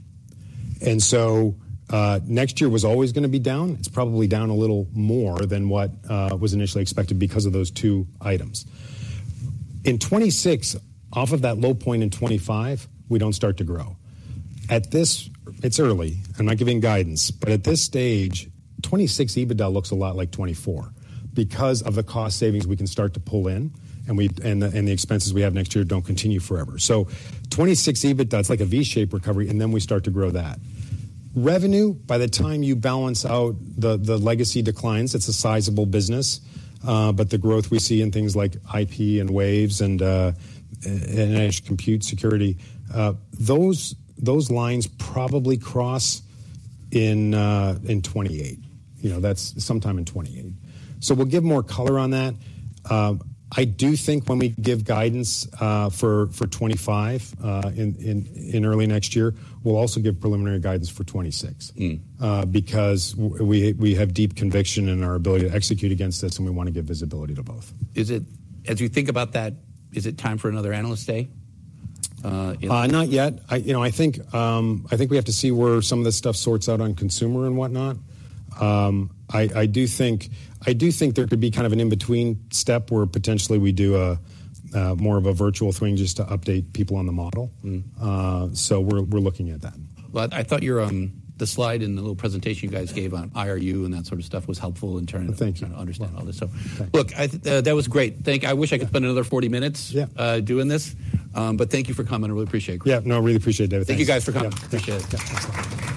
[SPEAKER 2] and so next year was always going to be down. It's probably down a little more than what was initially expected because of those two items. In 2026, off of that low point in 2025, we don't start to grow. At this. It's early. I'm not giving guidance, but at this stage, 2026 EBITDA looks a lot like 2024 because of the cost savings we can start to pull in, and the expenses we have next year don't continue forever. So 2026 EBITDA, it's like a V-shaped recovery, and then we start to grow that. Revenue, by the time you balance out the legacy declines, it's a sizable business, but the growth we see in things like IP and Waves and edge compute security, those lines probably cross in 2028. You know, that's sometime in 2028. So we'll give more color on that. I do think when we give guidance for 2025 in early next year, we'll also give preliminary guidance for 2026.
[SPEAKER 1] Mm.
[SPEAKER 2] Because we have deep conviction in our ability to execute against this, and we want to give visibility to both.
[SPEAKER 1] As you think about that, is it time for another analyst day?
[SPEAKER 2] Not yet. I, you know, I think we have to see where some of this stuff sorts out on consumer and whatnot. I do think there could be kind of an in-between step where potentially we do a more of a virtual thing just to update people on the model.
[SPEAKER 1] Mm-hmm.
[SPEAKER 2] So we're looking at that.
[SPEAKER 1] I thought your, the slide and the little presentation you guys gave on IRU and that sort of stuff was helpful in trying to-
[SPEAKER 2] Thank you...
[SPEAKER 1] understand all this.
[SPEAKER 2] Thanks.
[SPEAKER 1] So look, that was great. Thank you. I wish I could spend another 40 minutes-
[SPEAKER 2] Yeah...
[SPEAKER 1] doing this, but thank you for coming. I really appreciate it.
[SPEAKER 2] Yeah. No, I really appreciate it, David. Thanks.
[SPEAKER 1] Thank you, guys, for coming.
[SPEAKER 2] Yeah.
[SPEAKER 1] Appreciate it...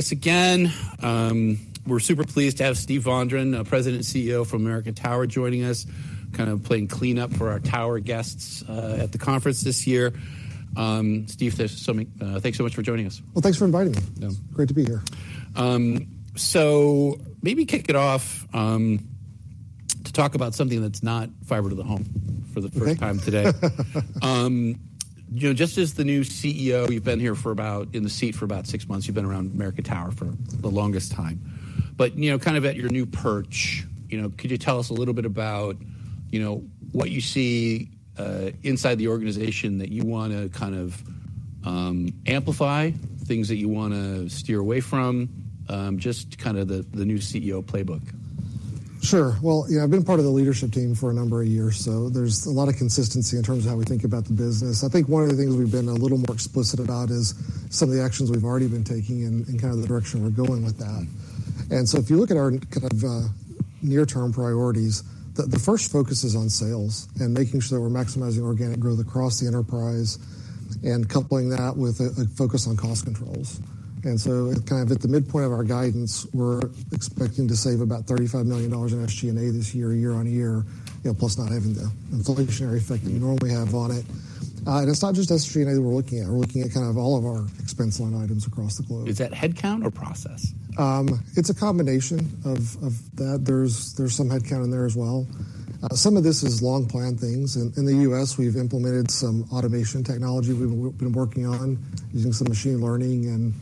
[SPEAKER 1] joining us again. We're super pleased to have Steve Vondran, President and CEO from American Tower, joining us, kind of playing cleanup for our tower guests, at the conference this year. Steve, thanks so much for joining us.
[SPEAKER 3] Thanks for inviting me.
[SPEAKER 1] Yeah.
[SPEAKER 3] Great to be here.
[SPEAKER 1] So maybe kick it off to talk about something that's not fiber to the home for the first time today. You know, just as the new CEO, you've been here for about, in the seat for about six months. You've been around American Tower for the longest time. But, you know, kind of at your new perch, you know, could you tell us a little bit about, you know, what you see inside the organization that you want to kind of amplify, things that you want to steer away from? Just kind of the new CEO playbook.
[SPEAKER 3] Sure. Well, yeah, I've been part of the leadership team for a number of years, so there's a lot of consistency in terms of how we think about the business. I think one of the things we've been a little more explicit about is some of the actions we've already been taking and kind of the direction we're going with that. So if you look at our kind of near-term priorities, the first focus is on sales and making sure that we're maximizing organic growth across the enterprise and coupling that with a focus on cost controls. So kind of at the midpoint of our guidance, we're expecting to save about $35 million in SG&A this year, year on year, you know, plus not having the inflationary effect that you normally have on it. And it's not just SG&A that we're looking at. We're looking at kind of all of our expense line items across the globe.
[SPEAKER 1] Is that headcount or process?
[SPEAKER 3] It's a combination of that. There's some headcount in there as well. Some of this is long-planned things. In the U.S., we've implemented some automation technology we've been working on, using some machine learning,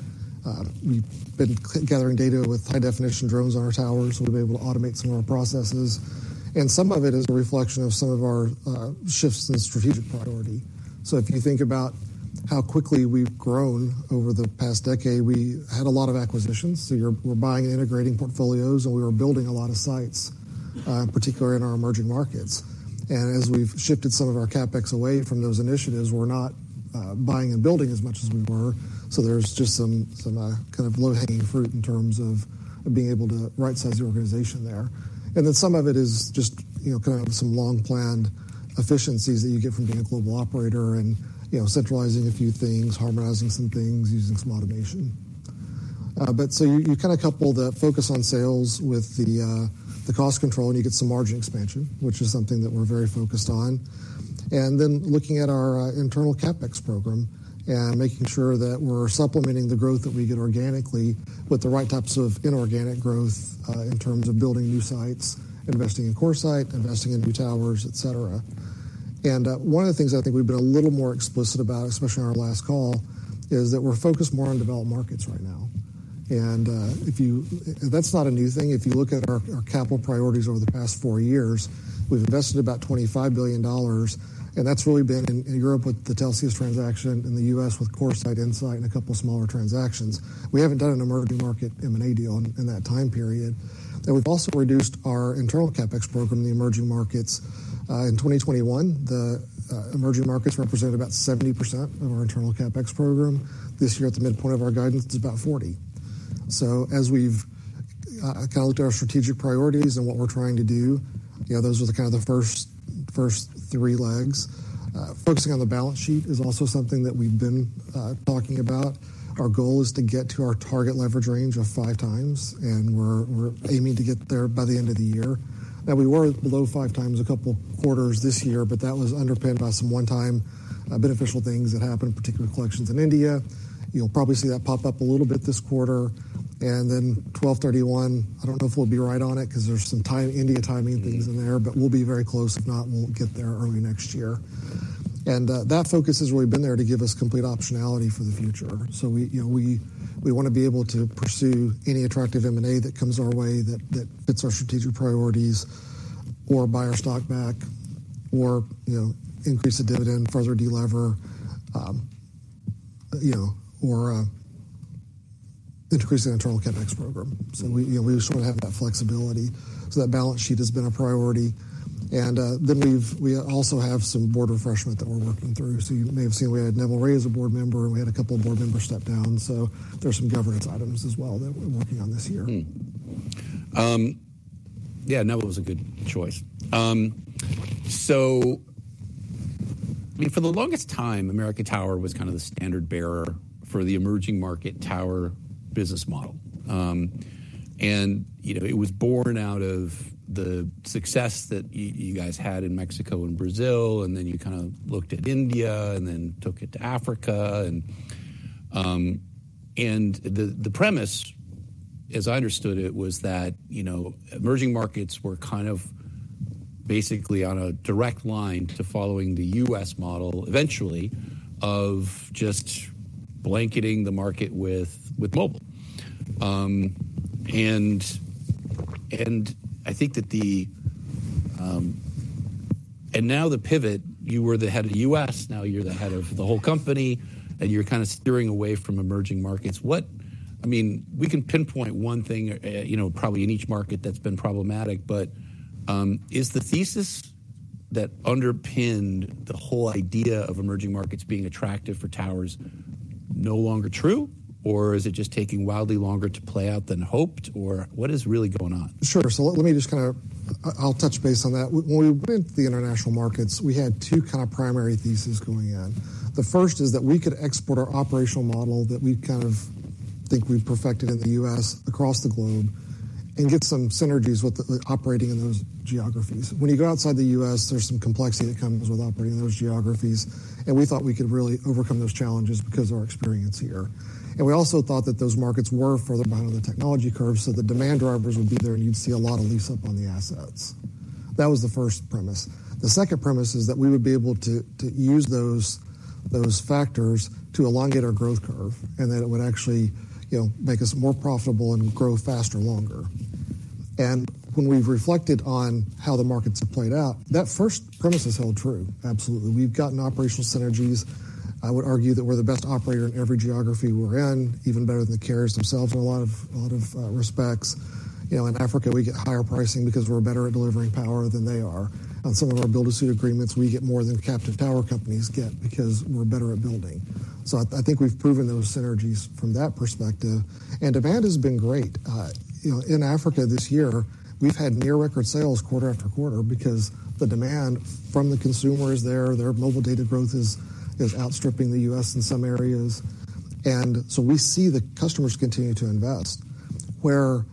[SPEAKER 3] and we've been gathering data with high-definition drones on our towers. We've been able to automate some of our processes, and some of it is a reflection of some of our shifts in strategic priority. So if you think about how quickly we've grown over the past decade, we had a lot of acquisitions. We're buying and integrating portfolios, and we were building a lot of sites, particularly in our emerging markets, and as we've shifted some of our CapEx away from those initiatives, we're not buying and building as much as we were. So there's just some kind of low-hanging fruit in terms of being able to right-size the organization there. And then some of it is just, you know, kind of some long-planned efficiencies that you get from being a global operator and, you know, centralizing a few things, harmonizing some things, using some automation. But so you kind of couple the focus on sales with the cost control, and you get some margin expansion, which is something that we're very focused on. And then looking at our internal CapEx program and making sure that we're supplementing the growth that we get organically with the right types of inorganic growth in terms of building new sites, investing in CoreSite, investing in new towers, et cetera. One of the things I think we've been a little more explicit about, especially on our last call, is that we're focused more on developed markets right now. If you... That's not a new thing. If you look at our capital priorities over the past four years, we've invested about $25 billion, and that's really been in Europe with the Telxius transaction, in the U.S. with CoreSite and InSite, and a couple of smaller transactions. We haven't done an emerging market M&A deal in that time period, and we've also reduced our internal CapEx program in the emerging markets. In 2021, the emerging markets represented about 70% of our internal CapEx program. This year, at the midpoint of our guidance, it's about 40%. So as we've kind of looked at our strategic priorities and what we're trying to do, you know, those are the kind of the first three legs. Focusing on the balance sheet is also something that we've been talking about. Our goal is to get to our target leverage range of five times, and we're aiming to get there by the end of the year. Now, we were below five times a couple quarters this year, but that was underpinned by some one-time beneficial things that happened, particularly collections in India. You'll probably see that pop up a little bit this quarter. And then twelve thirty-one, I don't know if we'll be right on it because there's some timing, India timing things in there, but we'll be very close. If not, we'll get there early next year. That focus has really been there to give us complete optionality for the future. So we, you know, want to be able to pursue any attractive M&A that comes our way, that fits our strategic priorities or buy our stock back, or, you know, increase the dividend, further delever, you know, or increase the internal CapEx program. So we, you know, just want to have that flexibility. So that balance sheet has been a priority. Then we also have some board refreshment that we're working through. So you may have seen we had Neville Ray as a board member, and we had a couple of board members step down. So there's some governance items as well that we're working on this year.
[SPEAKER 1] Yeah, Neville was a good choice. I mean, for the longest time, American Tower was kind of the standard-bearer for the emerging market tower business model. You know, it was born out of the success that you guys had in Mexico and Brazil, and then you kind of looked at India and then took it to Africa, and the premise, as I understood it, was that, you know, emerging markets were kind of basically on a direct line to following the U.S. model, eventually, of just blanketing the market with mobile, and I think that now the pivot, you were the head of the U.S., now you're the head of the whole company, and you're kind of steering away from emerging markets. What, I mean, we can pinpoint one thing, you know, probably in each market that's been problematic, but, is the thesis that underpinned the whole idea of emerging markets being attractive for towers no longer true? Or is it just taking wildly longer to play out than hoped, or what is really going on?
[SPEAKER 3] Sure. So let me just kind of. I'll touch base on that. When we went to the international markets, we had two kind of primary theses going in. The first is that we could export our operational model that we kind of think we've perfected in the U.S. across the globe and get some synergies with the operating in those geographies. When you go outside the U.S., there's some complexity that comes with operating in those geographies, and we thought we could really overcome those challenges because of our experience here, and we also thought that those markets were further behind on the technology curve, so the demand drivers would be there, and you'd see a lot of lease-up on the assets. That was the first premise. The second premise is that we would be able to use those factors to elongate our growth curve, and that it would actually, you know, make us more profitable and grow faster, longer. And when we've reflected on how the markets have played out, that first premise has held true, absolutely. We've gotten operational synergies. I would argue that we're the best operator in every geography we're in, even better than the carriers themselves in a lot of respects. You know, in Africa, we get higher pricing because we're better at delivering power than they are. On some of our build-to-suit agreements, we get more than captive tower companies get because we're better at building. So I think we've proven those synergies from that perspective. And demand has been great. You know, in Africa this year, we've had near-record sales quarter after quarter because the demand from the consumer is there. Their mobile data growth is outstripping the U.S. in some areas. And so we see the customers continue to invest. So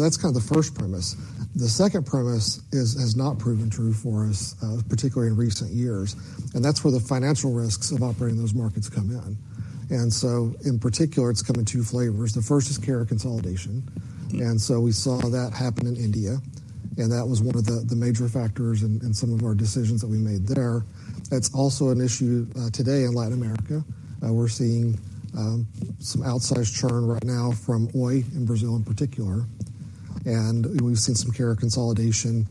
[SPEAKER 3] that's kind of the first premise. The second premise has not proven true for us, particularly in recent years, and that's where the financial risks of operating those markets come in. And so in particular, it's come in two flavors. The first is carrier consolidation, and so we saw that happen in India, and that was one of the major factors in some of our decisions that we made there. That's also an issue today in Latin America. We're seeing some outsized churn right now from Oi in Brazil in particular, and we've seen some carrier consolidation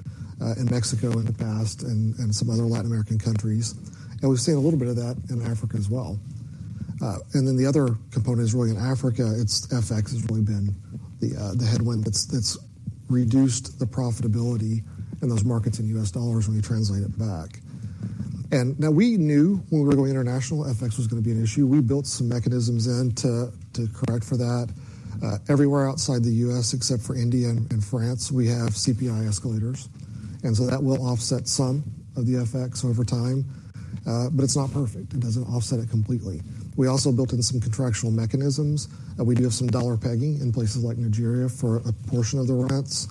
[SPEAKER 3] in Mexico in the past and some other Latin American countries, and we've seen a little bit of that in Africa as well, and then the other component is really in Africa. It's FX has really been the headwind that's reduced the profitability in those markets in U.S. dollars when you translate it back, and now we knew when we were going international, FX was going to be an issue. We built some mechanisms in to correct for that. Everywhere outside the U.S., except for India and France, we have CPI escalators, and so that will offset some of the FX over time, but it's not perfect. It doesn't offset it completely. We also built in some contractual mechanisms, and we do have some dollar pegging in places like Nigeria for a portion of the rents,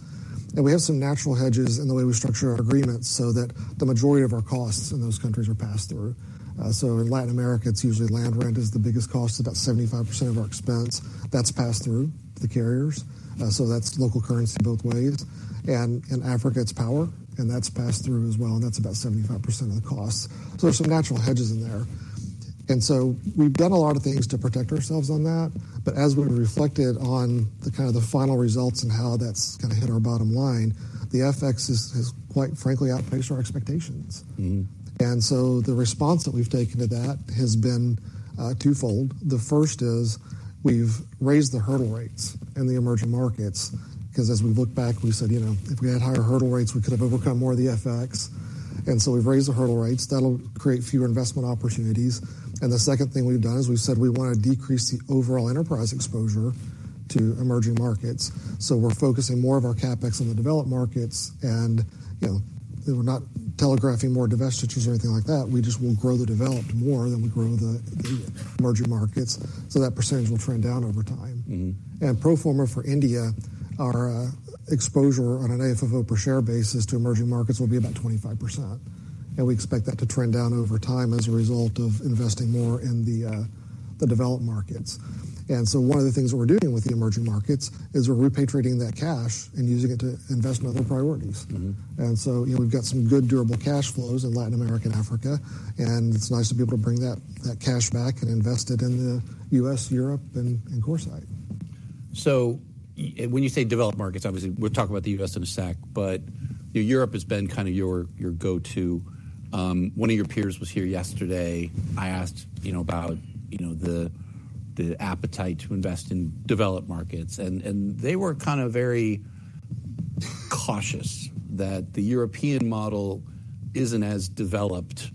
[SPEAKER 3] and we have some natural hedges in the way we structure our agreements so that the majority of our costs in those countries are passed through, so in Latin America, it's usually land rent is the biggest cost, about 75% of our expense. That's passed through the carriers, so that's local currency both ways. And in Africa, it's power, and that's passed through as well, and that's about 75% of the cost, so there's some natural hedges in there, and so we've done a lot of things to protect ourselves on that, but as we've reflected on the kind of final results and how that's gonna hit our bottom line, the FX has quite frankly outpaced our expectations.
[SPEAKER 1] Mm-hmm.
[SPEAKER 3] And so the response that we've taken to that has been twofold. The first is we've raised the hurdle rates in the emerging markets, because as we looked back, we said, "You know, if we had higher hurdle rates, we could have overcome more of the FX." And so we've raised the hurdle rates. That'll create fewer investment opportunities. And the second thing we've done is we've said we want to decrease the overall enterprise exposure to emerging markets. So we're focusing more of our CapEx on the developed markets, and, you know, we're not telegraphing more divestitures or anything like that. We just will grow the developed more than we grow the emerging markets, so that percentage will trend down over time.
[SPEAKER 1] Mm-hmm.
[SPEAKER 3] And pro forma for India, our exposure on an AFFO per share basis to emerging markets will be about 25%, and we expect that to trend down over time as a result of investing more in the developed markets. And so one of the things that we're doing with the emerging markets is we're repatriating that cash and using it to invest in other priorities.
[SPEAKER 1] Mm-hmm.
[SPEAKER 3] You know, we've got some good, durable cash flows in Latin America and Africa, and it's nice to be able to bring that cash back and invest it in the U.S., Europe, and CoreSite.
[SPEAKER 1] So when you say developed markets, obviously we're talking about the U.S. and the SAC, but, you know, Europe has been kind of your go-to. One of your peers was here yesterday. I asked, you know, about, you know, the appetite to invest in developed markets, and they were kind of very cautious that the European model isn't as developed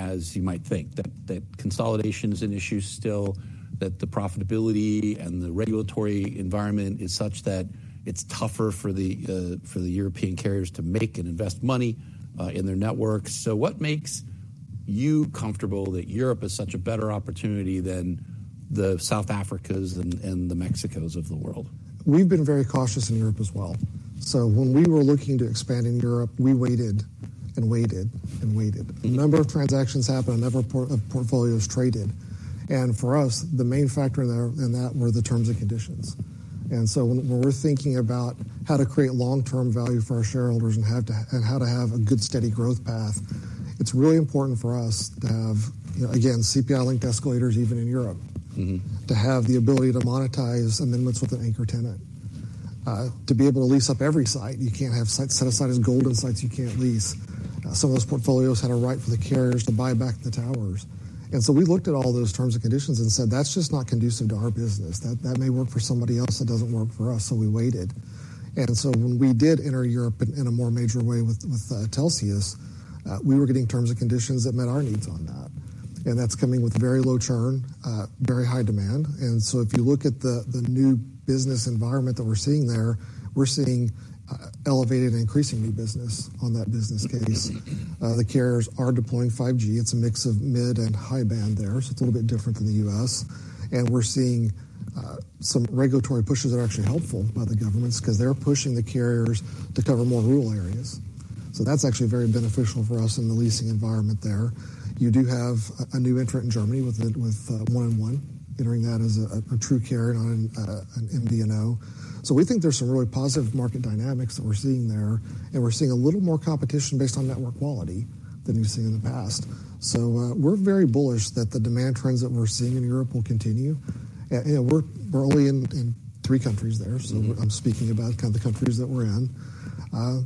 [SPEAKER 1] as you might think, that consolidation is an issue still, that the profitability and the regulatory environment is such that it's tougher for the European carriers to make and invest money in their networks. So what makes you comfortable that Europe is such a better opportunity than the South Africas and the Mexicos of the world?
[SPEAKER 3] We've been very cautious in Europe as well. So when we were looking to expand in Europe, we waited and waited and waited. A number of transactions happened, a number of portfolios traded, and for us, the main factor in that were the terms and conditions. And so when we're thinking about how to create long-term value for our shareholders and how to have a good, steady growth path, it's really important for us to have, you know, again, CPI-linked escalators, even in Europe-
[SPEAKER 1] Mm-hmm...
[SPEAKER 3] to have the ability to monetize amendments with an anchor tenant, to be able to lease up every site. You can't have sites, set aside as golden sites you can't lease. Some of those portfolios had a right for the carriers to buy back the towers. And so we looked at all those terms and conditions and said, "That's just not conducive to our business. That may work for somebody else, it doesn't work for us," so we waited. And so when we did enter Europe in a more major way with Telxius, we were getting terms and conditions that met our needs on that, and that's coming with very low churn, very high demand. If you look at the new business environment that we're seeing there, we're seeing elevated and increasing new business on that business case.
[SPEAKER 1] Mm-hmm.
[SPEAKER 3] The carriers are deploying 5G. It's a mix of mid and high band there, so it's a little bit different than the U.S., and we're seeing some regulatory pushes that are actually helpful by the governments, 'cause they're pushing the carriers to cover more rural areas. So that's actually very beneficial for us in the leasing environment there. You do have a new entrant in Germany with 1&1. Entering that as a true carrier on an MVNO. So we think there's some really positive market dynamics that we're seeing there, and we're seeing a little more competition based on network quality than we've seen in the past. So we're very bullish that the demand trends that we're seeing in Europe will continue. And, you know, we're only in three countries there.
[SPEAKER 1] Mm-hmm.
[SPEAKER 3] So I'm speaking about kind of the countries that we're in.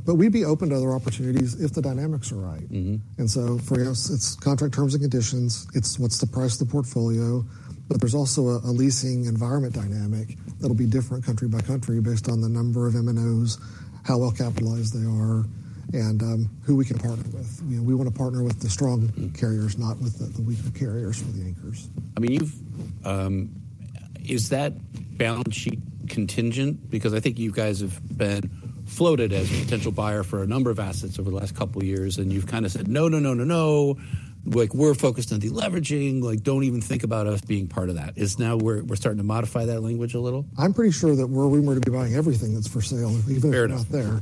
[SPEAKER 3] But we'd be open to other opportunities if the dynamics are right.
[SPEAKER 1] Mm-hmm.
[SPEAKER 3] And so for us, it's contract terms and conditions, it's what's the price of the portfolio, but there's also a leasing environment dynamic that'll be different country by country based on the number of MNOs, how well-capitalized they are, and who we can partner with. You know, we want to partner with the strong-
[SPEAKER 1] Mm...
[SPEAKER 3] carriers, not with the weaker carriers or the anchors.
[SPEAKER 1] I mean, you've, Is that balance sheet contingent? Because I think you guys have been floated as a potential buyer for a number of assets over the last couple of years, and you've kind of said, "No, no, no, no, no. Like, we're focused on deleveraging. Like, don't even think about us being part of that." Is now we're starting to modify that language a little?
[SPEAKER 3] I'm pretty sure that were we to be buying everything that's for sale, we'd be out there.
[SPEAKER 1] Fair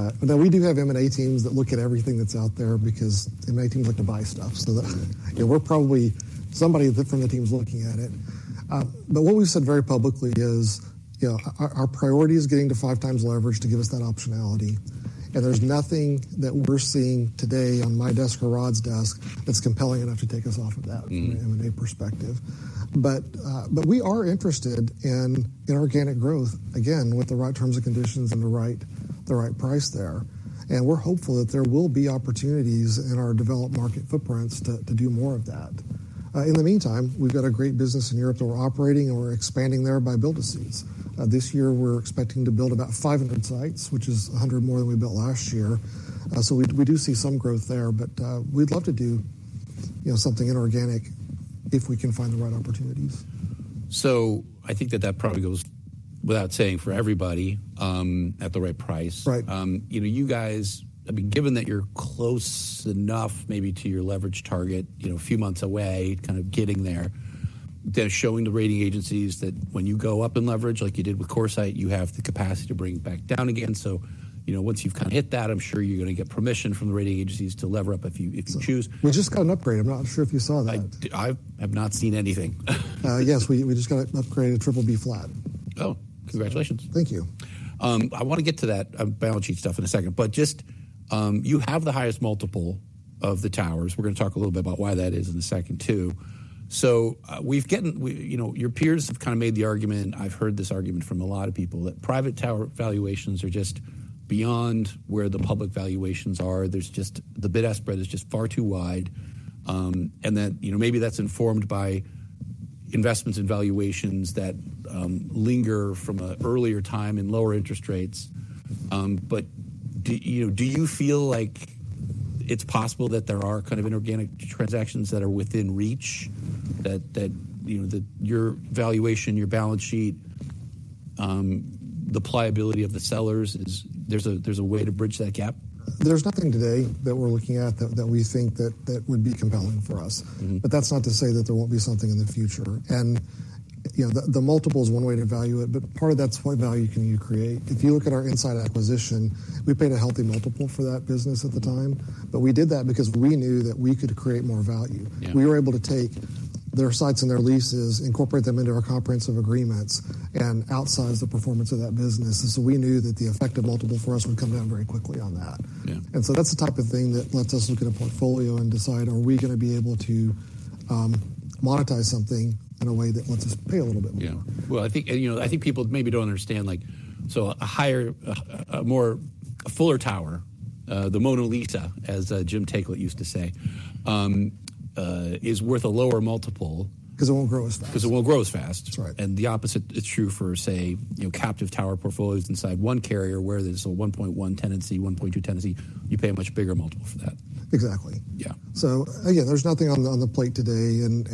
[SPEAKER 1] enough.
[SPEAKER 3] But we do have M&A teams that look at everything that's out there because M&A teams like to buy stuff. Yeah, we're probably somebody from the team is looking at it. But what we've said very publicly is, you know, our priority is getting to five times leverage to give us that optionality, and there's nothing that we're seeing today on my desk or Rod's desk that's compelling enough to take us off of that-
[SPEAKER 1] Mm...
[SPEAKER 3] from an M&A perspective, but we are interested in inorganic growth, again, with the right terms and conditions and the right price there. And we're hopeful that there will be opportunities in our developed market footprints to do more of that. In the meantime, we've got a great business in Europe that we're operating, and we're expanding there by build-to-suits. This year, we're expecting to build about 500 sites, which is 100 more than we built last year. We do see some growth there, but we'd love to do, you know, something inorganic if we can find the right opportunities.
[SPEAKER 1] So I think that that probably goes without saying for everybody, at the right price.
[SPEAKER 3] Right.
[SPEAKER 1] You know, you guys, I mean, given that you're close enough maybe to your leverage target, you know, a few months away, kind of getting there, they're showing the rating agencies that when you go up in leverage, like you did with CoreSite, you have the capacity to bring it back down again. So, you know, once you've kind of hit that, I'm sure you're gonna get permission from the rating agencies to lever up if you, if you choose.
[SPEAKER 3] We just got an upgrade. I'm not sure if you saw that.
[SPEAKER 1] I have not seen anything.
[SPEAKER 3] Yes, we just got an upgrade, a BBB flat.
[SPEAKER 1] Oh, congratulations!
[SPEAKER 3] Thank you.
[SPEAKER 1] I want to get to that, balance sheet stuff in a second, but just, you have the highest multiple of the towers. We're gonna talk a little bit about why that is in a second, too. So, we've gotten. You know, your peers have kind of made the argument, I've heard this argument from a lot of people, that private tower valuations are just beyond where the public valuations are. There's just, the bid-ask spread is just far too wide, and that, you know, maybe that's informed by investments and valuations that, linger from an earlier time in lower interest rates. But do you know, do you feel like it's possible that there are kind of inorganic transactions that are within reach, that, you know, that your valuation, your balance sheet, the pliability of the sellers is... There's a way to bridge that gap?
[SPEAKER 3] There's nothing today that we're looking at that we think would be compelling for us.
[SPEAKER 1] Mm-hmm.
[SPEAKER 3] But that's not to say that there won't be something in the future. And, you know, the multiple is one way to value it, but part of that's what value can you create? If you look at our InSite acquisition, we paid a healthy multiple for that business at the time, but we did that because we knew that we could create more value.
[SPEAKER 1] Yeah.
[SPEAKER 3] We were able to take their sites and their leases, incorporate them into our comprehensive agreements, and outsize the performance of that business, and so we knew that the effective multiple for us would come down very quickly on that.
[SPEAKER 1] Yeah.
[SPEAKER 3] And so that's the type of thing that lets us look at a portfolio and decide: Are we gonna be able to monetize something in a way that lets us pay a little bit more?
[SPEAKER 1] Yeah. Well, I think, you know, I think people maybe don't understand, like, so a higher, a more, a fuller tower, the monolith, as Jim Taiclet used to say, is worth a lower multiple-
[SPEAKER 3] 'Cause it won't grow.
[SPEAKER 1] 'Cause it won't grow as fast.
[SPEAKER 3] That's right.
[SPEAKER 1] And the opposite is true for, say, you know, captive tower portfolios inside one carrier, where there's a one point one tenancy, one point two tenancy. You pay a much bigger multiple for that.
[SPEAKER 3] Exactly.
[SPEAKER 1] Yeah.
[SPEAKER 3] So again, there's nothing on the plate today, and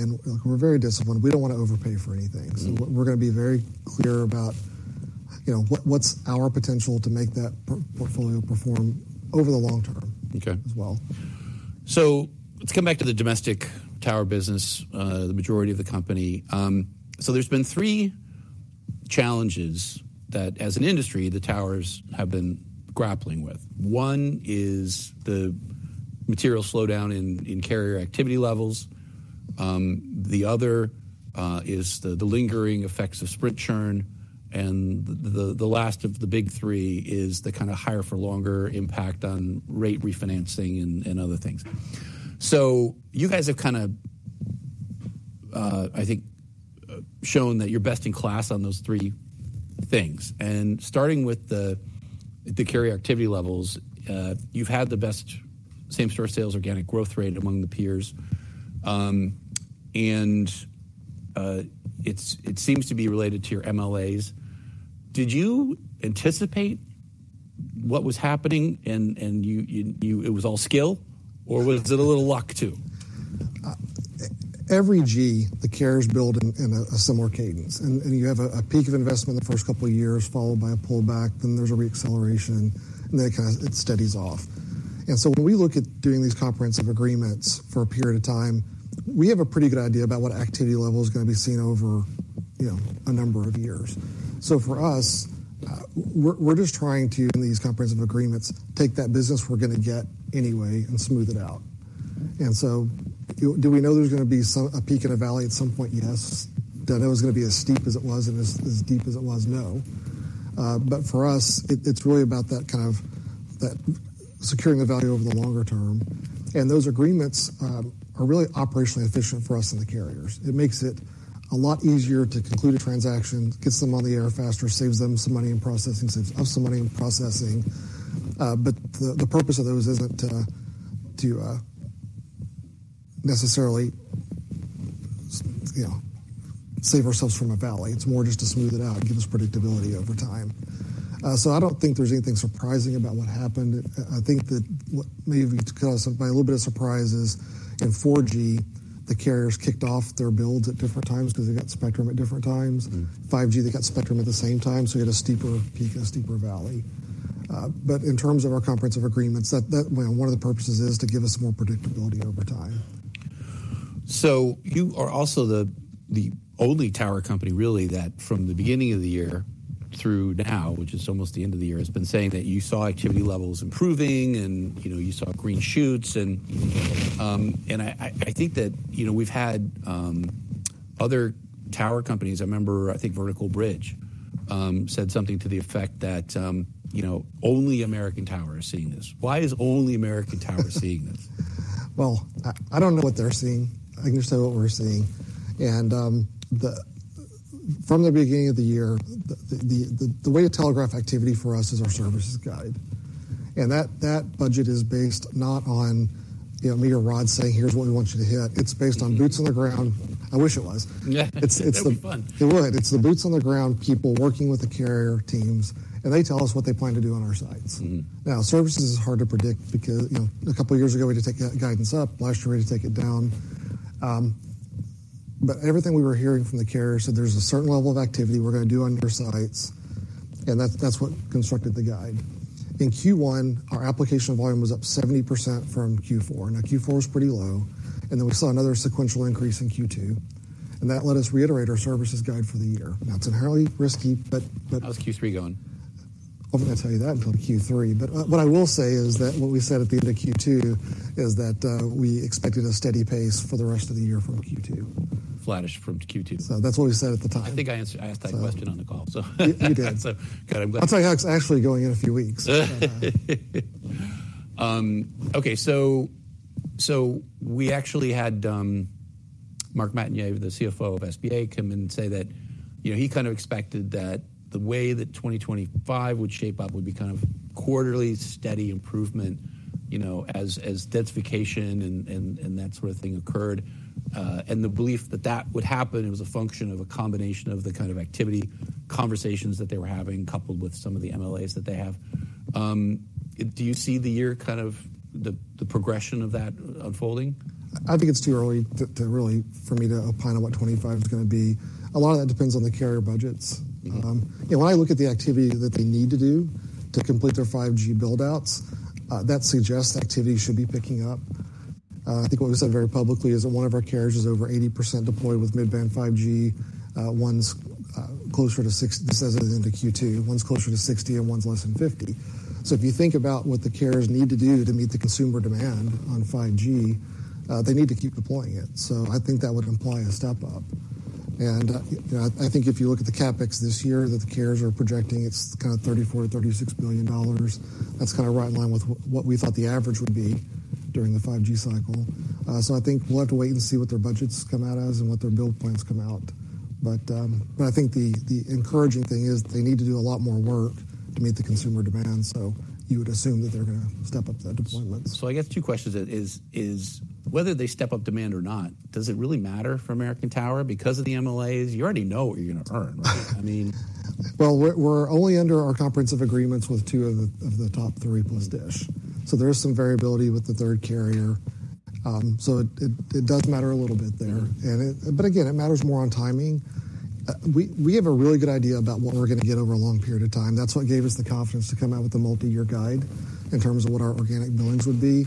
[SPEAKER 3] we're very disciplined. We don't want to overpay for anything.
[SPEAKER 1] Mm-hmm.
[SPEAKER 3] We're gonna be very clear about, you know, what's our potential to make that portfolio perform over the long term-
[SPEAKER 1] Okay
[SPEAKER 3] -as well.
[SPEAKER 1] So let's come back to the domestic tower business, the majority of the company. There's been three challenges that, as an industry, the towers have been grappling with. One is the material slowdown in carrier activity levels. The other is the lingering effects of Sprint churn, and the last of the big three is the kind of higher for longer impact on rate refinancing and other things. So you guys have kind of, I think, shown that you're best in class on those three things. And starting with the carrier activity levels, you've had the best same-store sales, organic growth rate among the peers. And it seems to be related to your MLAs. Did you anticipate what was happening, and it was all skill, or was it a little luck, too?
[SPEAKER 3] Every G, the carriers build in a similar cadence, and you have a peak of investment in the first couple of years, followed by a pullback, then there's a reacceleration, and then it kind of steadies off. So when we look at doing these comprehensive agreements for a period of time, we have a pretty good idea about what activity level is gonna be seen over, you know, a number of years. For us, we're just trying to, in these comprehensive agreements, take that business we're gonna get anyway and smooth it out. Do we know there's gonna be some a peak and a valley at some point? Yes. Do I know it's gonna be as steep as it was and as deep as it was? No. But for us, it's really about that kind of, that securing the value over the longer term. And those agreements are really operationally efficient for us and the carriers. It makes it a lot easier to conclude a transaction, gets them on the air faster, saves them some money in processing, saves us some money in processing. But the purpose of those isn't to necessarily, you know, save ourselves from a valley. It's more just to smooth it out and give us predictability over time. So I don't think there's anything surprising about what happened. I think that what may have caught us by a little bit of surprise is, in 4G, the carriers kicked off their builds at different times because they got spectrum at different times.
[SPEAKER 1] Mm-hmm.
[SPEAKER 3] In 5G, they got spectrum at the same time, so we had a steeper peak and a steeper valley, but in terms of our comprehensive agreements, well, one of the purposes is to give us more predictability over time.
[SPEAKER 1] You are also the only tower company, really, that from the beginning of the year through now, which is almost the end of the year, has been saying that you saw activity levels improving and, you know, you saw green shoots. And I think that, you know, we've had other tower companies. I remember, I think, Vertical Bridge said something to the effect that, you know, only American Tower is seeing this. Why is only American Tower seeing this?
[SPEAKER 3] I don't know what they're seeing. I can just tell you what we're seeing. From the beginning of the year, the way to telegraph activity for us is our services guide, and that budget is based not on, you know, me or Rod saying, "Here's what we want you to hit.
[SPEAKER 1] Mm-hmm.
[SPEAKER 3] It's based on boots on the ground. I wish it was.
[SPEAKER 1] Yeah. That'd be fun.
[SPEAKER 3] It would. It's the boots on the ground, people working with the carrier teams, and they tell us what they plan to do on our sites.
[SPEAKER 1] Mm-hmm.
[SPEAKER 3] Now, services is hard to predict because, you know, a couple of years ago, we had to take that guidance up. Last year, we had to take it down. But everything we were hearing from the carriers, so there's a certain level of activity we're gonna do on your sites, and that's, that's what constructed the guide. In Q1, our application volume was up 70% from Q4. Now, Q4 was pretty low, and then we saw another sequential increase in Q2, and that let us reiterate our services guide for the year. Now, it's inherently risky, but the-
[SPEAKER 1] How's Q3 going?
[SPEAKER 3] I'm not gonna tell you that until Q3, but, what I will say is that what we said at the end of Q2 is that, we expected a steady pace for the rest of the year from Q2.
[SPEAKER 1] Flattish from Q2.
[SPEAKER 3] So that's what we said at the time.
[SPEAKER 1] I think I answered. I asked that question on the call, so.
[SPEAKER 3] You did.
[SPEAKER 1] Got it.
[SPEAKER 3] I'll tell you how it's actually going in a few weeks.
[SPEAKER 1] Okay, so we actually had Marc Montagner, the CFO of SBA, come in and say that, you know, he kind of expected that the way that twenty twenty-five would shape up would be kind of quarterly steady improvement, you know, as densification and that sort of thing occurred. And the belief that that would happen, it was a function of a combination of the kind of activity, conversations that they were having, coupled with some of the MLAs that they have. Do you see the year, kind of the progression of that unfolding?
[SPEAKER 3] I think it's too early to really, for me to opine on what 2025 is gonna be. A lot of that depends on the carrier budgets.
[SPEAKER 1] Mm-hmm.
[SPEAKER 3] When I look at the activity that they need to do to complete their 5G build-outs, that suggests activity should be picking up. I think what we said very publicly is that one of our carriers is over 80% deployed with mid-band 5G. One's closer to 60. This as of into Q2, one's closer to 60, and one's less than 50. So if you think about what the carriers need to do to meet the consumer demand on 5G, they need to keep deploying it. So I think that would imply a step-up, and you know, I think if you look at the CapEx this year that the carriers are projecting, it's kind of $34 billion-$36 billion. That's kind of right in line with what we thought the average would be during the 5G cycle. So I think we'll have to wait and see what their budgets come out as and what their build plans come out as... But I think the encouraging thing is they need to do a lot more work to meet the consumer demand, so you would assume that they're gonna step up the deployments.
[SPEAKER 1] I guess two questions is, is whether they step up demand or not, does it really matter for American Tower? Because of the MLAs, you already know what you're gonna earn, right? I mean.
[SPEAKER 3] We're only under our comprehensive agreements with two of the top three, plus DISH. So there is some variability with the third carrier. So it does matter a little bit there.
[SPEAKER 1] Mm-hmm.
[SPEAKER 3] But again, it matters more on timing. We have a really good idea about what we're gonna get over a long period of time. That's what gave us the confidence to come out with a multi-year guide in terms of what our organic billings would be.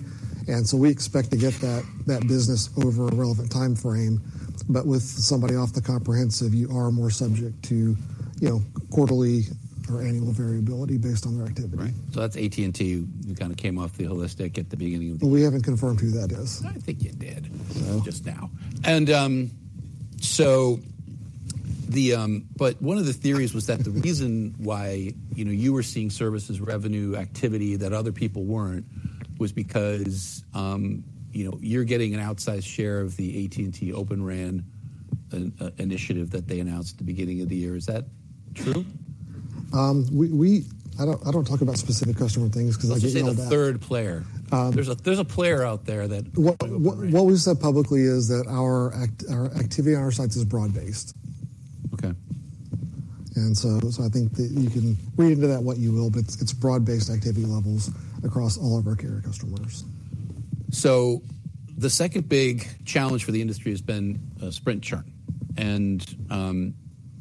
[SPEAKER 3] And so we expect to get that business over a relevant timeframe. But with somebody off the comprehensive, you are more subject to, you know, quarterly or annual variability based on their activity.
[SPEAKER 1] Right. So that's AT&T who kind of came off the holistic at the beginning of the year.
[SPEAKER 3] We haven't confirmed who that is.
[SPEAKER 1] I think you did-
[SPEAKER 3] Well...
[SPEAKER 1] Just now. But one of the theories was that the reason why, you know, you were seeing services revenue activity that other people weren't, was because, you know, you're getting an outsized share of the AT&T Open RAN initiative that they announced at the beginning of the year. Is that true?
[SPEAKER 3] I don't talk about specific customer things because I get into that.
[SPEAKER 1] Let's just say the third player.
[SPEAKER 3] Um-
[SPEAKER 1] There's a player out there that-
[SPEAKER 3] What we've said publicly is that our activity on our sites is broad-based.
[SPEAKER 1] Okay.
[SPEAKER 3] And so, I think that you can read into that what you will, but it's broad-based activity levels across all of our carrier customers.
[SPEAKER 1] So the second big challenge for the industry has been, Sprint churn. And,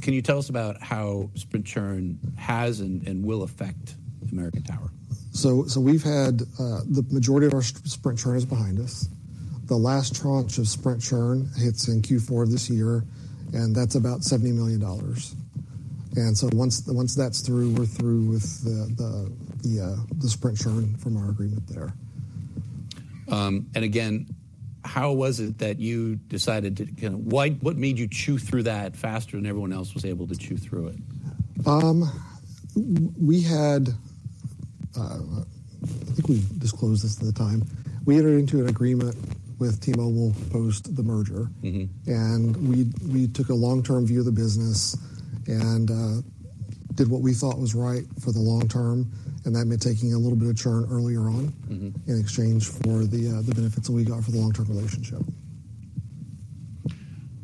[SPEAKER 1] can you tell us about how Sprint churn has and will affect American Tower?
[SPEAKER 3] We've had the majority of our Sprint churn behind us. The last tranche of Sprint churn hits in Q4 of this year, and that's about $70 million. So once that's through, we're through with the Sprint churn from our agreement there.
[SPEAKER 1] And again, how was it that you decided to kind of-- Why, what made you chew through that faster than everyone else was able to chew through it?
[SPEAKER 3] We had. I think we disclosed this at the time. We entered into an agreement with T-Mobile post the merger.
[SPEAKER 1] Mm-hmm.
[SPEAKER 3] And we took a long-term view of the business and did what we thought was right for the long term, and that meant taking a little bit of churn earlier on.
[SPEAKER 1] Mm-hmm
[SPEAKER 3] - in exchange for the benefits that we got for the long-term relationship.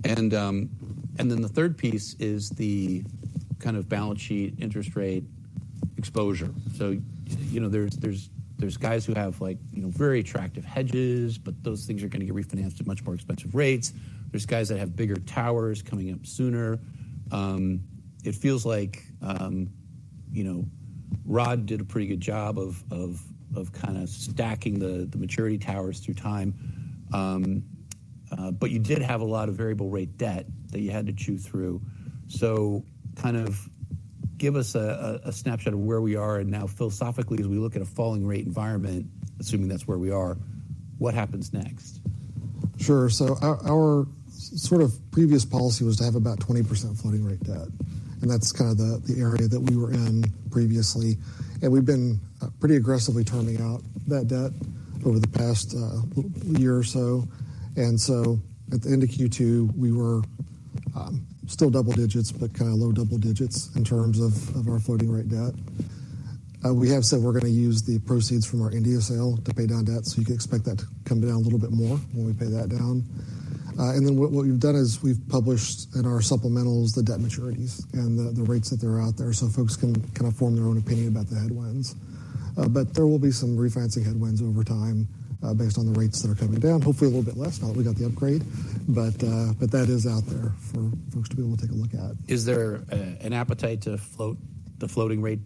[SPEAKER 1] The third piece is the kind of balance sheet interest rate exposure. So you know, there's guys who have like, you know, very attractive hedges, but those things are gonna get refinanced at much more expensive rates. There's guys that have bigger towers coming up sooner. It feels like, you know, Rod did a pretty good job of kind of stacking the maturity towers through time. But you did have a lot of variable rate debt that you had to chew through. So kind of give us a snapshot of where we are and now philosophically, as we look at a falling rate environment, assuming that's where we are, what happens next?
[SPEAKER 3] Sure. So our sort of previous policy was to have about 20% floating rate debt, and that's kind of the area that we were in previously, and we've been pretty aggressively turning out that debt over the past year or so. And so at the end of Q2, we were still double digits, but kind of low double digits in terms of our floating rate debt. We have said we're gonna use the proceeds from our India sale to pay down debt, so you can expect that to come down a little bit more when we pay that down. And then what we've done is we've published in our supplementals, the debt maturities and the rates that are out there so folks can kind of form their own opinion about the headwinds. But there will be some refinancing headwinds over time, based on the rates that are coming down. Hopefully, a little bit less now that we got the upgrade, but that is out there for folks to be able to take a look at.
[SPEAKER 1] Is there an appetite to float the floating rate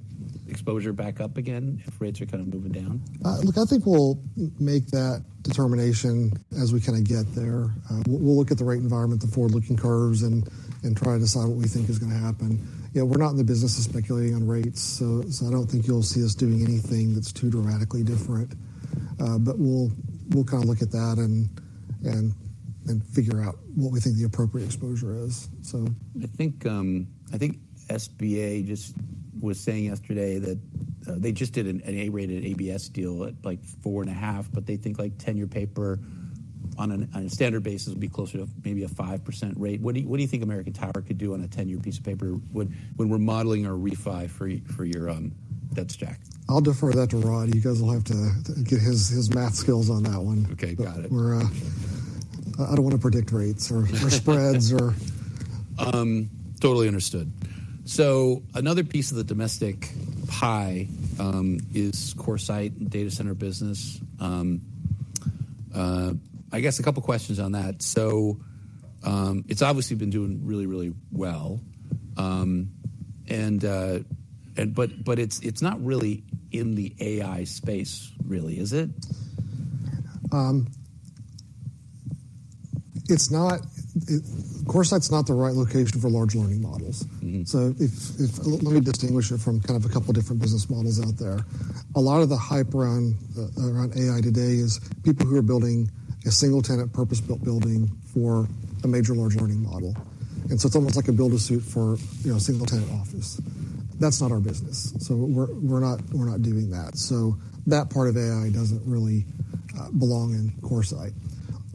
[SPEAKER 1] exposure back up again if rates are kind of moving down?
[SPEAKER 3] Look, I think we'll make that determination as we kinda get there. We'll look at the rate environment, the forward-looking curves, and try to decide what we think is gonna happen. You know, we're not in the business of speculating on rates, so I don't think you'll see us doing anything that's too dramatically different. But we'll kind of look at that and figure out what we think the appropriate exposure is, so.
[SPEAKER 1] I think SBA just was saying yesterday that they just did an A-rated ABS deal at like 4.5%, but they think like 10-year paper on a standard basis would be closer to maybe a 5% rate. What do you think American Tower could do on a 10-year piece of paper when we're modeling our refi for your debt stack?
[SPEAKER 3] I'll defer that to Rod. You guys will have to get his math skills on that one.
[SPEAKER 1] Okay, got it.
[SPEAKER 3] I don't wanna predict rates or spreads or...
[SPEAKER 1] Totally understood. So another piece of the domestic pie is CoreSite data center business. I guess a couple of questions on that. So, it's obviously been doing really, really well. But it's not really in the AI space, really, is it?
[SPEAKER 3] CoreSite's not the right location for large learning models.
[SPEAKER 1] Mm-hmm.
[SPEAKER 3] Let me distinguish it from kind of a couple different business models out there. A lot of the hype around around AI today is people who are building a single-tenant, purpose-built building for a major large learning model. And so it's almost like a build-to-suit for, you know, single-tenant office. That's not our business, so we're not doing that. So that part of AI doesn't really belong in CoreSite.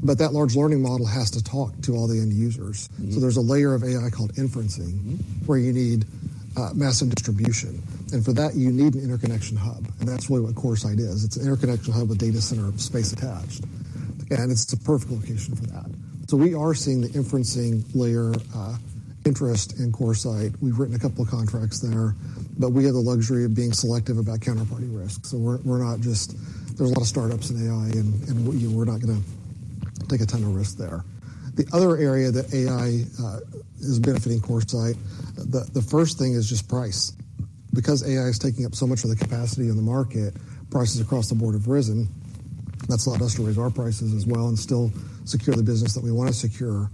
[SPEAKER 3] But that large learning model has to talk to all the end users.
[SPEAKER 1] Mm-hmm.
[SPEAKER 3] There's a layer of AI called inference.
[SPEAKER 1] Mm-hmm.
[SPEAKER 3] Where you need massive distribution, and for that, you need an interconnection hub, and that's really what CoreSite is. It's an interconnection hub with data center space attached, and it's the perfect location for that. So we are seeing the inferencing layer, interest in CoreSite. We've written a couple of contracts there, but we have the luxury of being selective about counterparty risk. So we're not just-- There's a lot of startups in AI, and, you know, we're not gonna take a ton of risk there. The other area that AI is benefiting CoreSite, the first thing is just price. Because AI is taking up so much of the capacity in the market, prices across the board have risen. That's allowed us to raise our prices as well and still secure the business that we want to secure.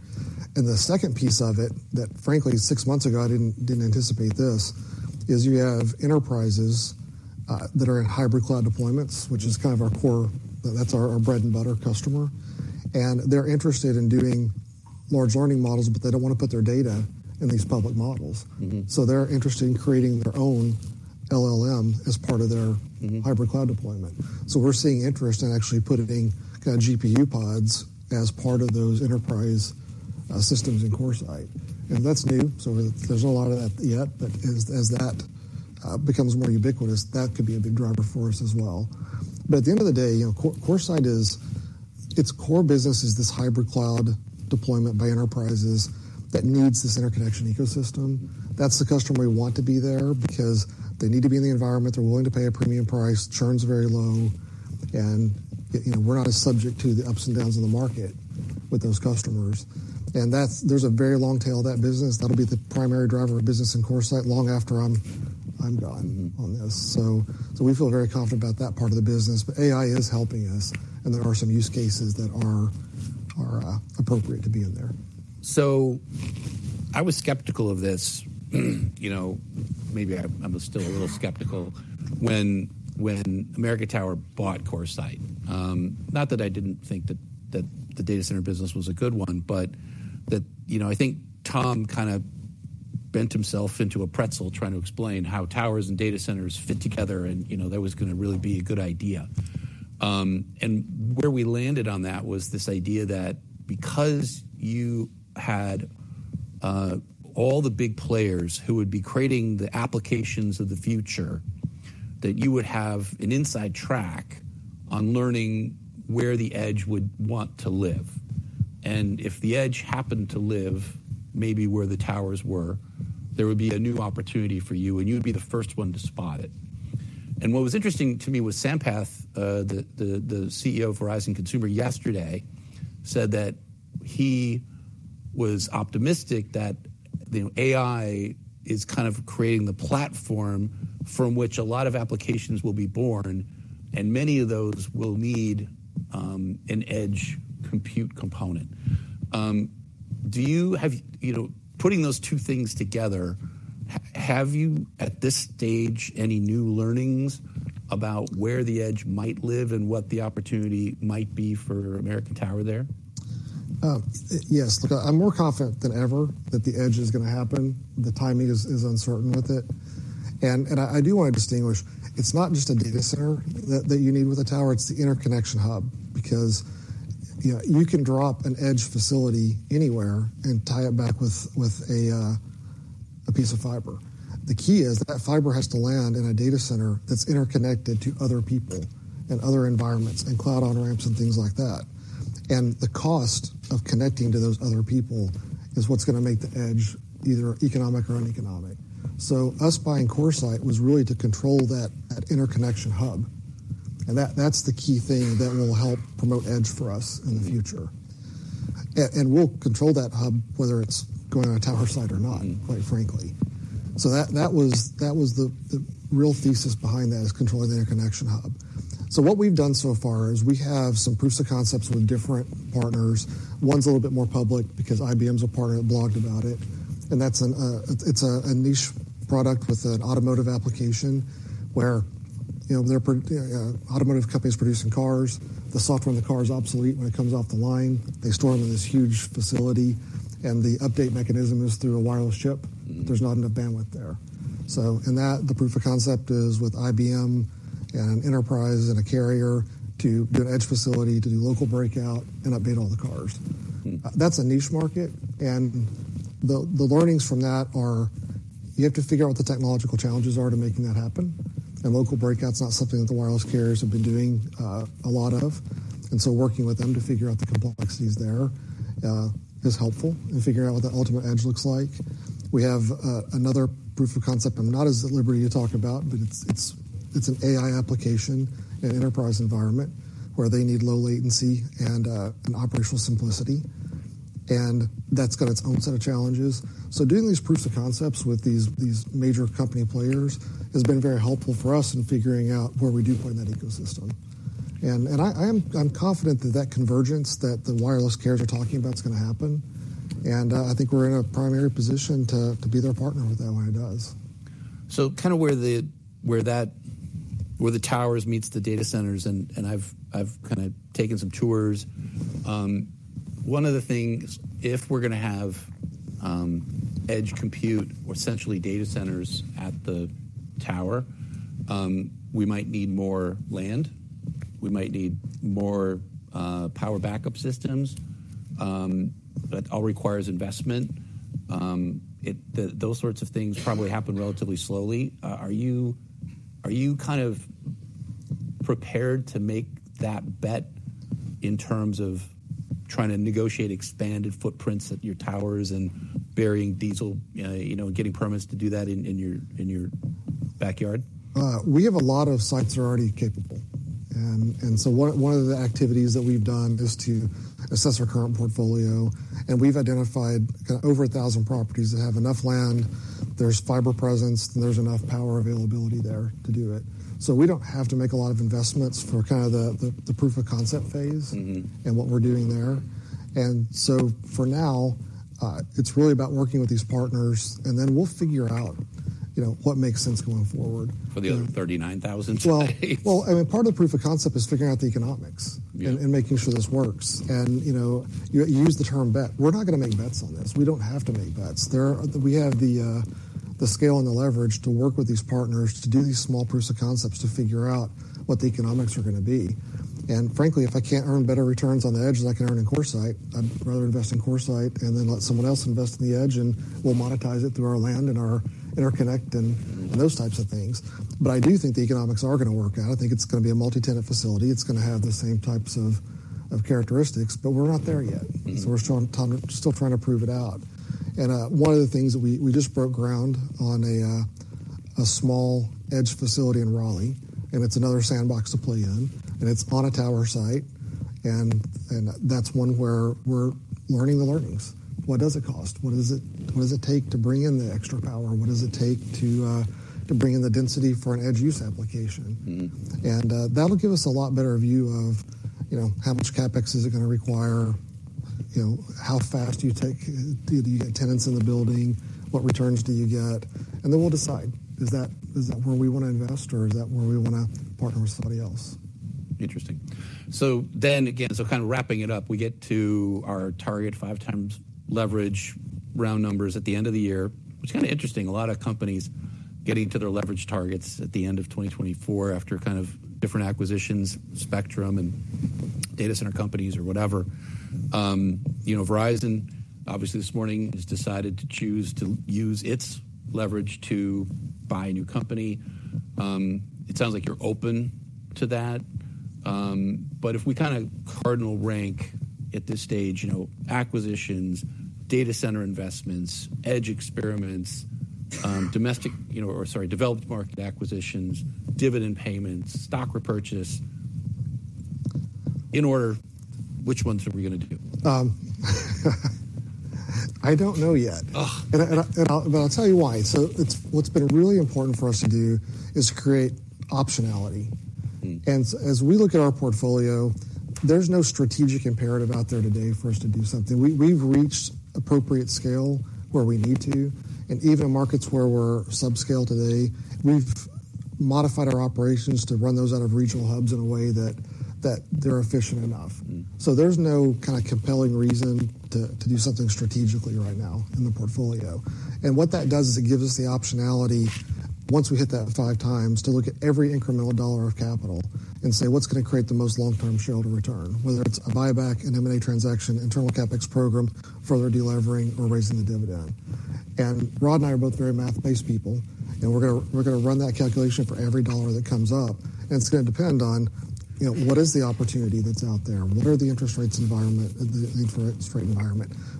[SPEAKER 3] The second piece of it that, frankly, six months ago, I didn't anticipate this, is you have enterprises that are in hybrid cloud deployments, which is kind of our core. That's our bread and butter customer, and they're interested in doing large learning models, but they don't want to put their data in these public models.
[SPEAKER 1] Mm-hmm.
[SPEAKER 3] So they're interested in creating their own LLM as part of their-
[SPEAKER 1] Mm-hmm.
[SPEAKER 3] -hybrid cloud deployment. So we're seeing interest in actually putting kind of GPU pods as part of those enterprise systems in CoreSite, and that's new, so there's not a lot of that yet. But as that becomes more ubiquitous, that could be a big driver for us as well. But at the end of the day, you know, CoreSite is, its core business is this hybrid cloud deployment by enterprises that needs this interconnection ecosystem. That's the customer we want to be there because they need to be in the environment. They're willing to pay a premium price. Churn's very low, and, you know, we're not as subject to the ups and downs in the market with those customers. And that's. There's a very long tail of that business. That'll be the primary driver of business in CoreSite long after I'm gone on this.
[SPEAKER 1] Mm-hmm.
[SPEAKER 3] So, we feel very confident about that part of the business, but AI is helping us, and there are some use cases that are appropriate to be in there.
[SPEAKER 1] I was skeptical of this, you know, maybe I'm still a little skeptical when American Tower bought CoreSite. Not that I didn't think that the data center business was a good one, but that, you know, I think Tom kind of bent himself into a pretzel trying to explain how towers and data centers fit together and, you know, that was gonna really be a good idea, and where we landed on that was this idea that because you had all the big players who would be creating the applications of the future, that you would have an inside track on learning where the edge would want to live, and if the edge happened to live, maybe where the towers were, there would be a new opportunity for you, and you'd be the first one to spot it. What was interesting to me was Sampath, the CEO of Verizon Consumer, yesterday said that he was optimistic that, you know, AI is kind of creating the platform from which a lot of applications will be born, and many of those will need an edge compute component. Do you have, you know, putting those two things together, have you at this stage any new learnings about where the edge might live and what the opportunity might be for American Tower there?
[SPEAKER 3] Yes. Look, I'm more confident than ever that the edge is gonna happen. The timing is uncertain with it. I do want to distinguish. It's not just a data center that you need with a tower, it's the interconnection hub. Because, you know, you can drop an edge facility anywhere and tie it back with a piece of fiber. The key is that fiber has to land in a data center that's interconnected to other people and other environments and cloud on-ramps and things like that. The cost of connecting to those other people is what's gonna make the edge either economic or uneconomic. So us buying CoreSite was really to control that interconnection hub, and that's the key thing that will help promote edge for us in the future. And we'll control that hub, whether it's going on a tower site or not.
[SPEAKER 1] Mm-hmm.
[SPEAKER 3] Quite frankly. So that was the real thesis behind that, is controlling the interconnection hub. So what we've done so far is we have some proofs of concepts with different partners. One's a little bit more public because IBM's a part of it, blogged about it, and that's a niche product with an automotive application where, you know, automotive companies producing cars. The software in the car is obsolete when it comes off the line. They store them in this huge facility, and the update mechanism is through a wireless chip.
[SPEAKER 1] Mm-hmm.
[SPEAKER 3] There's not enough bandwidth there. So in that, the proof of concept is with IBM and Enterprise and a carrier to do an edge facility, to do local breakout and update all the cars.
[SPEAKER 1] Mm.
[SPEAKER 3] That's a niche market, and the learnings from that are you have to figure out what the technological challenges are to making that happen. And local breakout's not something that the wireless carriers have been doing a lot of, and so working with them to figure out the complexities there is helpful in figuring out what the ultimate edge looks like. We have another proof of concept, and not as liberty you're talking about, but it's an AI application in an enterprise environment where they need low latency and an operational simplicity, and that's got its own set of challenges. So doing these proofs of concepts with these major company players has been very helpful for us in figuring out where we do play in that ecosystem. I'm confident that the convergence that the wireless carriers are talking about is gonna happen, and I think we're in a primary position to be their partner with that when it does.
[SPEAKER 1] So kind of where the towers meet the data centers, and I've kind of taken some tours. One of the things, if we're gonna have edge compute or essentially data centers at the tower, we might need more land. We might need more power backup systems. That all requires investment. Those sorts of things probably happen relatively slowly. Are you kind of prepared to make that bet in terms of trying to negotiate expanded footprints at your towers and burying diesel, you know, getting permits to do that in your backyard?
[SPEAKER 3] We have a lot of sites that are already capable, and so one of the activities that we've done is to assess our current portfolio, and we've identified kind of over a thousand properties that have enough land, there's fiber presence, and there's enough power availability there to do it. So we don't have to make a lot of investments for kind of the proof of concept phase-
[SPEAKER 1] Mm-hmm.
[SPEAKER 3] -and what we're doing there. and so for now, it's really about working with these partners, and then we'll figure out, you know, what makes sense going forward.
[SPEAKER 1] For the other 39,000 sites?
[SPEAKER 3] Well, well, I mean, part of the proof of concept is figuring out the economics-
[SPEAKER 1] Yeah...
[SPEAKER 3] and making sure this works. You know, you used the term bet. We're not gonna make bets on this. We don't have to make bets. There are. We have the scale and the leverage to work with these partners to do these small proofs of concepts to figure out what the economics are gonna be. And frankly, if I can't earn better returns on the edge than I can earn in CoreSite, I'd rather invest in CoreSite and then let someone else invest in the edge, and we'll monetize it through our land and our interconnect and-
[SPEAKER 1] Mm-hmm.
[SPEAKER 3] -those types of things. But I do think the economics are gonna work out. I think it's gonna be a multi-tenant facility. It's gonna have the same types of characteristics, but we're not there yet.
[SPEAKER 1] Mm-hmm.
[SPEAKER 3] We're still trying to prove it out. One of the things that we just broke ground on a small edge facility in Raleigh, and it's another sandbox to play in, and it's on a tower site. That's one where we're learning the learnings. What does it cost? What does it take to bring in the extra power? What does it take to bring in the density for an edge use application?
[SPEAKER 1] Mm-hmm.
[SPEAKER 3] That'll give us a lot better view of, you know, how much CapEx is it gonna require? You know, how fast do you get tenants in the building? What returns do you get? And then we'll decide, is that, is that where we wanna invest, or is that where we wanna partner with somebody else?
[SPEAKER 1] Interesting. So then again, so kind of wrapping it up, we get to our target five times leverage round numbers at the end of the year. It's kind of interesting, a lot of companies getting to their leverage targets at the end of 2024 after kind of different acquisitions, spectrum and data center companies or whatever. You know, Verizon, obviously, this morning has decided to choose to use its leverage to buy a new company. It sounds like you're open to that. But if we kinda cardinal rank at this stage, you know, acquisitions, data center investments, edge experiments, domestic, you know, or sorry, developed market acquisitions, dividend payments, stock repurchase, in order, which ones are we gonna do?
[SPEAKER 3] I don't know yet.
[SPEAKER 1] Ugh!
[SPEAKER 3] I'll tell you why. What's been really important for us to do is create optionality.
[SPEAKER 1] Mm.
[SPEAKER 3] As we look at our portfolio, there's no strategic imperative out there today for us to do something. We, we've reached appropriate scale where we need to, and even markets where we're subscale today, we've modified our operations to run those out of regional hubs in a way that they're efficient enough.
[SPEAKER 1] Mm.
[SPEAKER 3] There's no kind of compelling reason to do something strategically right now in the portfolio. What that does is it gives us the optionality, once we hit that five times, to look at every incremental dollar of capital and say: What's gonna create the most long-term shareholder return? Whether it's a buyback, an M&A transaction, internal CapEx program, further delevering or raising the dividend. Rod and I are both very math-based people, and we're gonna run that calculation for every dollar that comes up, and it's gonna depend on, you know, what is the opportunity that's out there? What is the interest rate environment?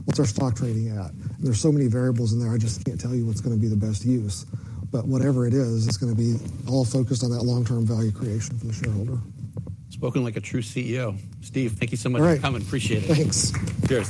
[SPEAKER 3] What's our stock trading at? There's so many variables in there, I just can't tell you what's gonna be the best use. But whatever it is, it's gonna be all focused on that long-term value creation for the shareholder.
[SPEAKER 1] Spoken like a true CEO. Steve, thank you so much-
[SPEAKER 3] All right.
[SPEAKER 1] For coming. Appreciate it.
[SPEAKER 3] Thanks.
[SPEAKER 1] Cheers.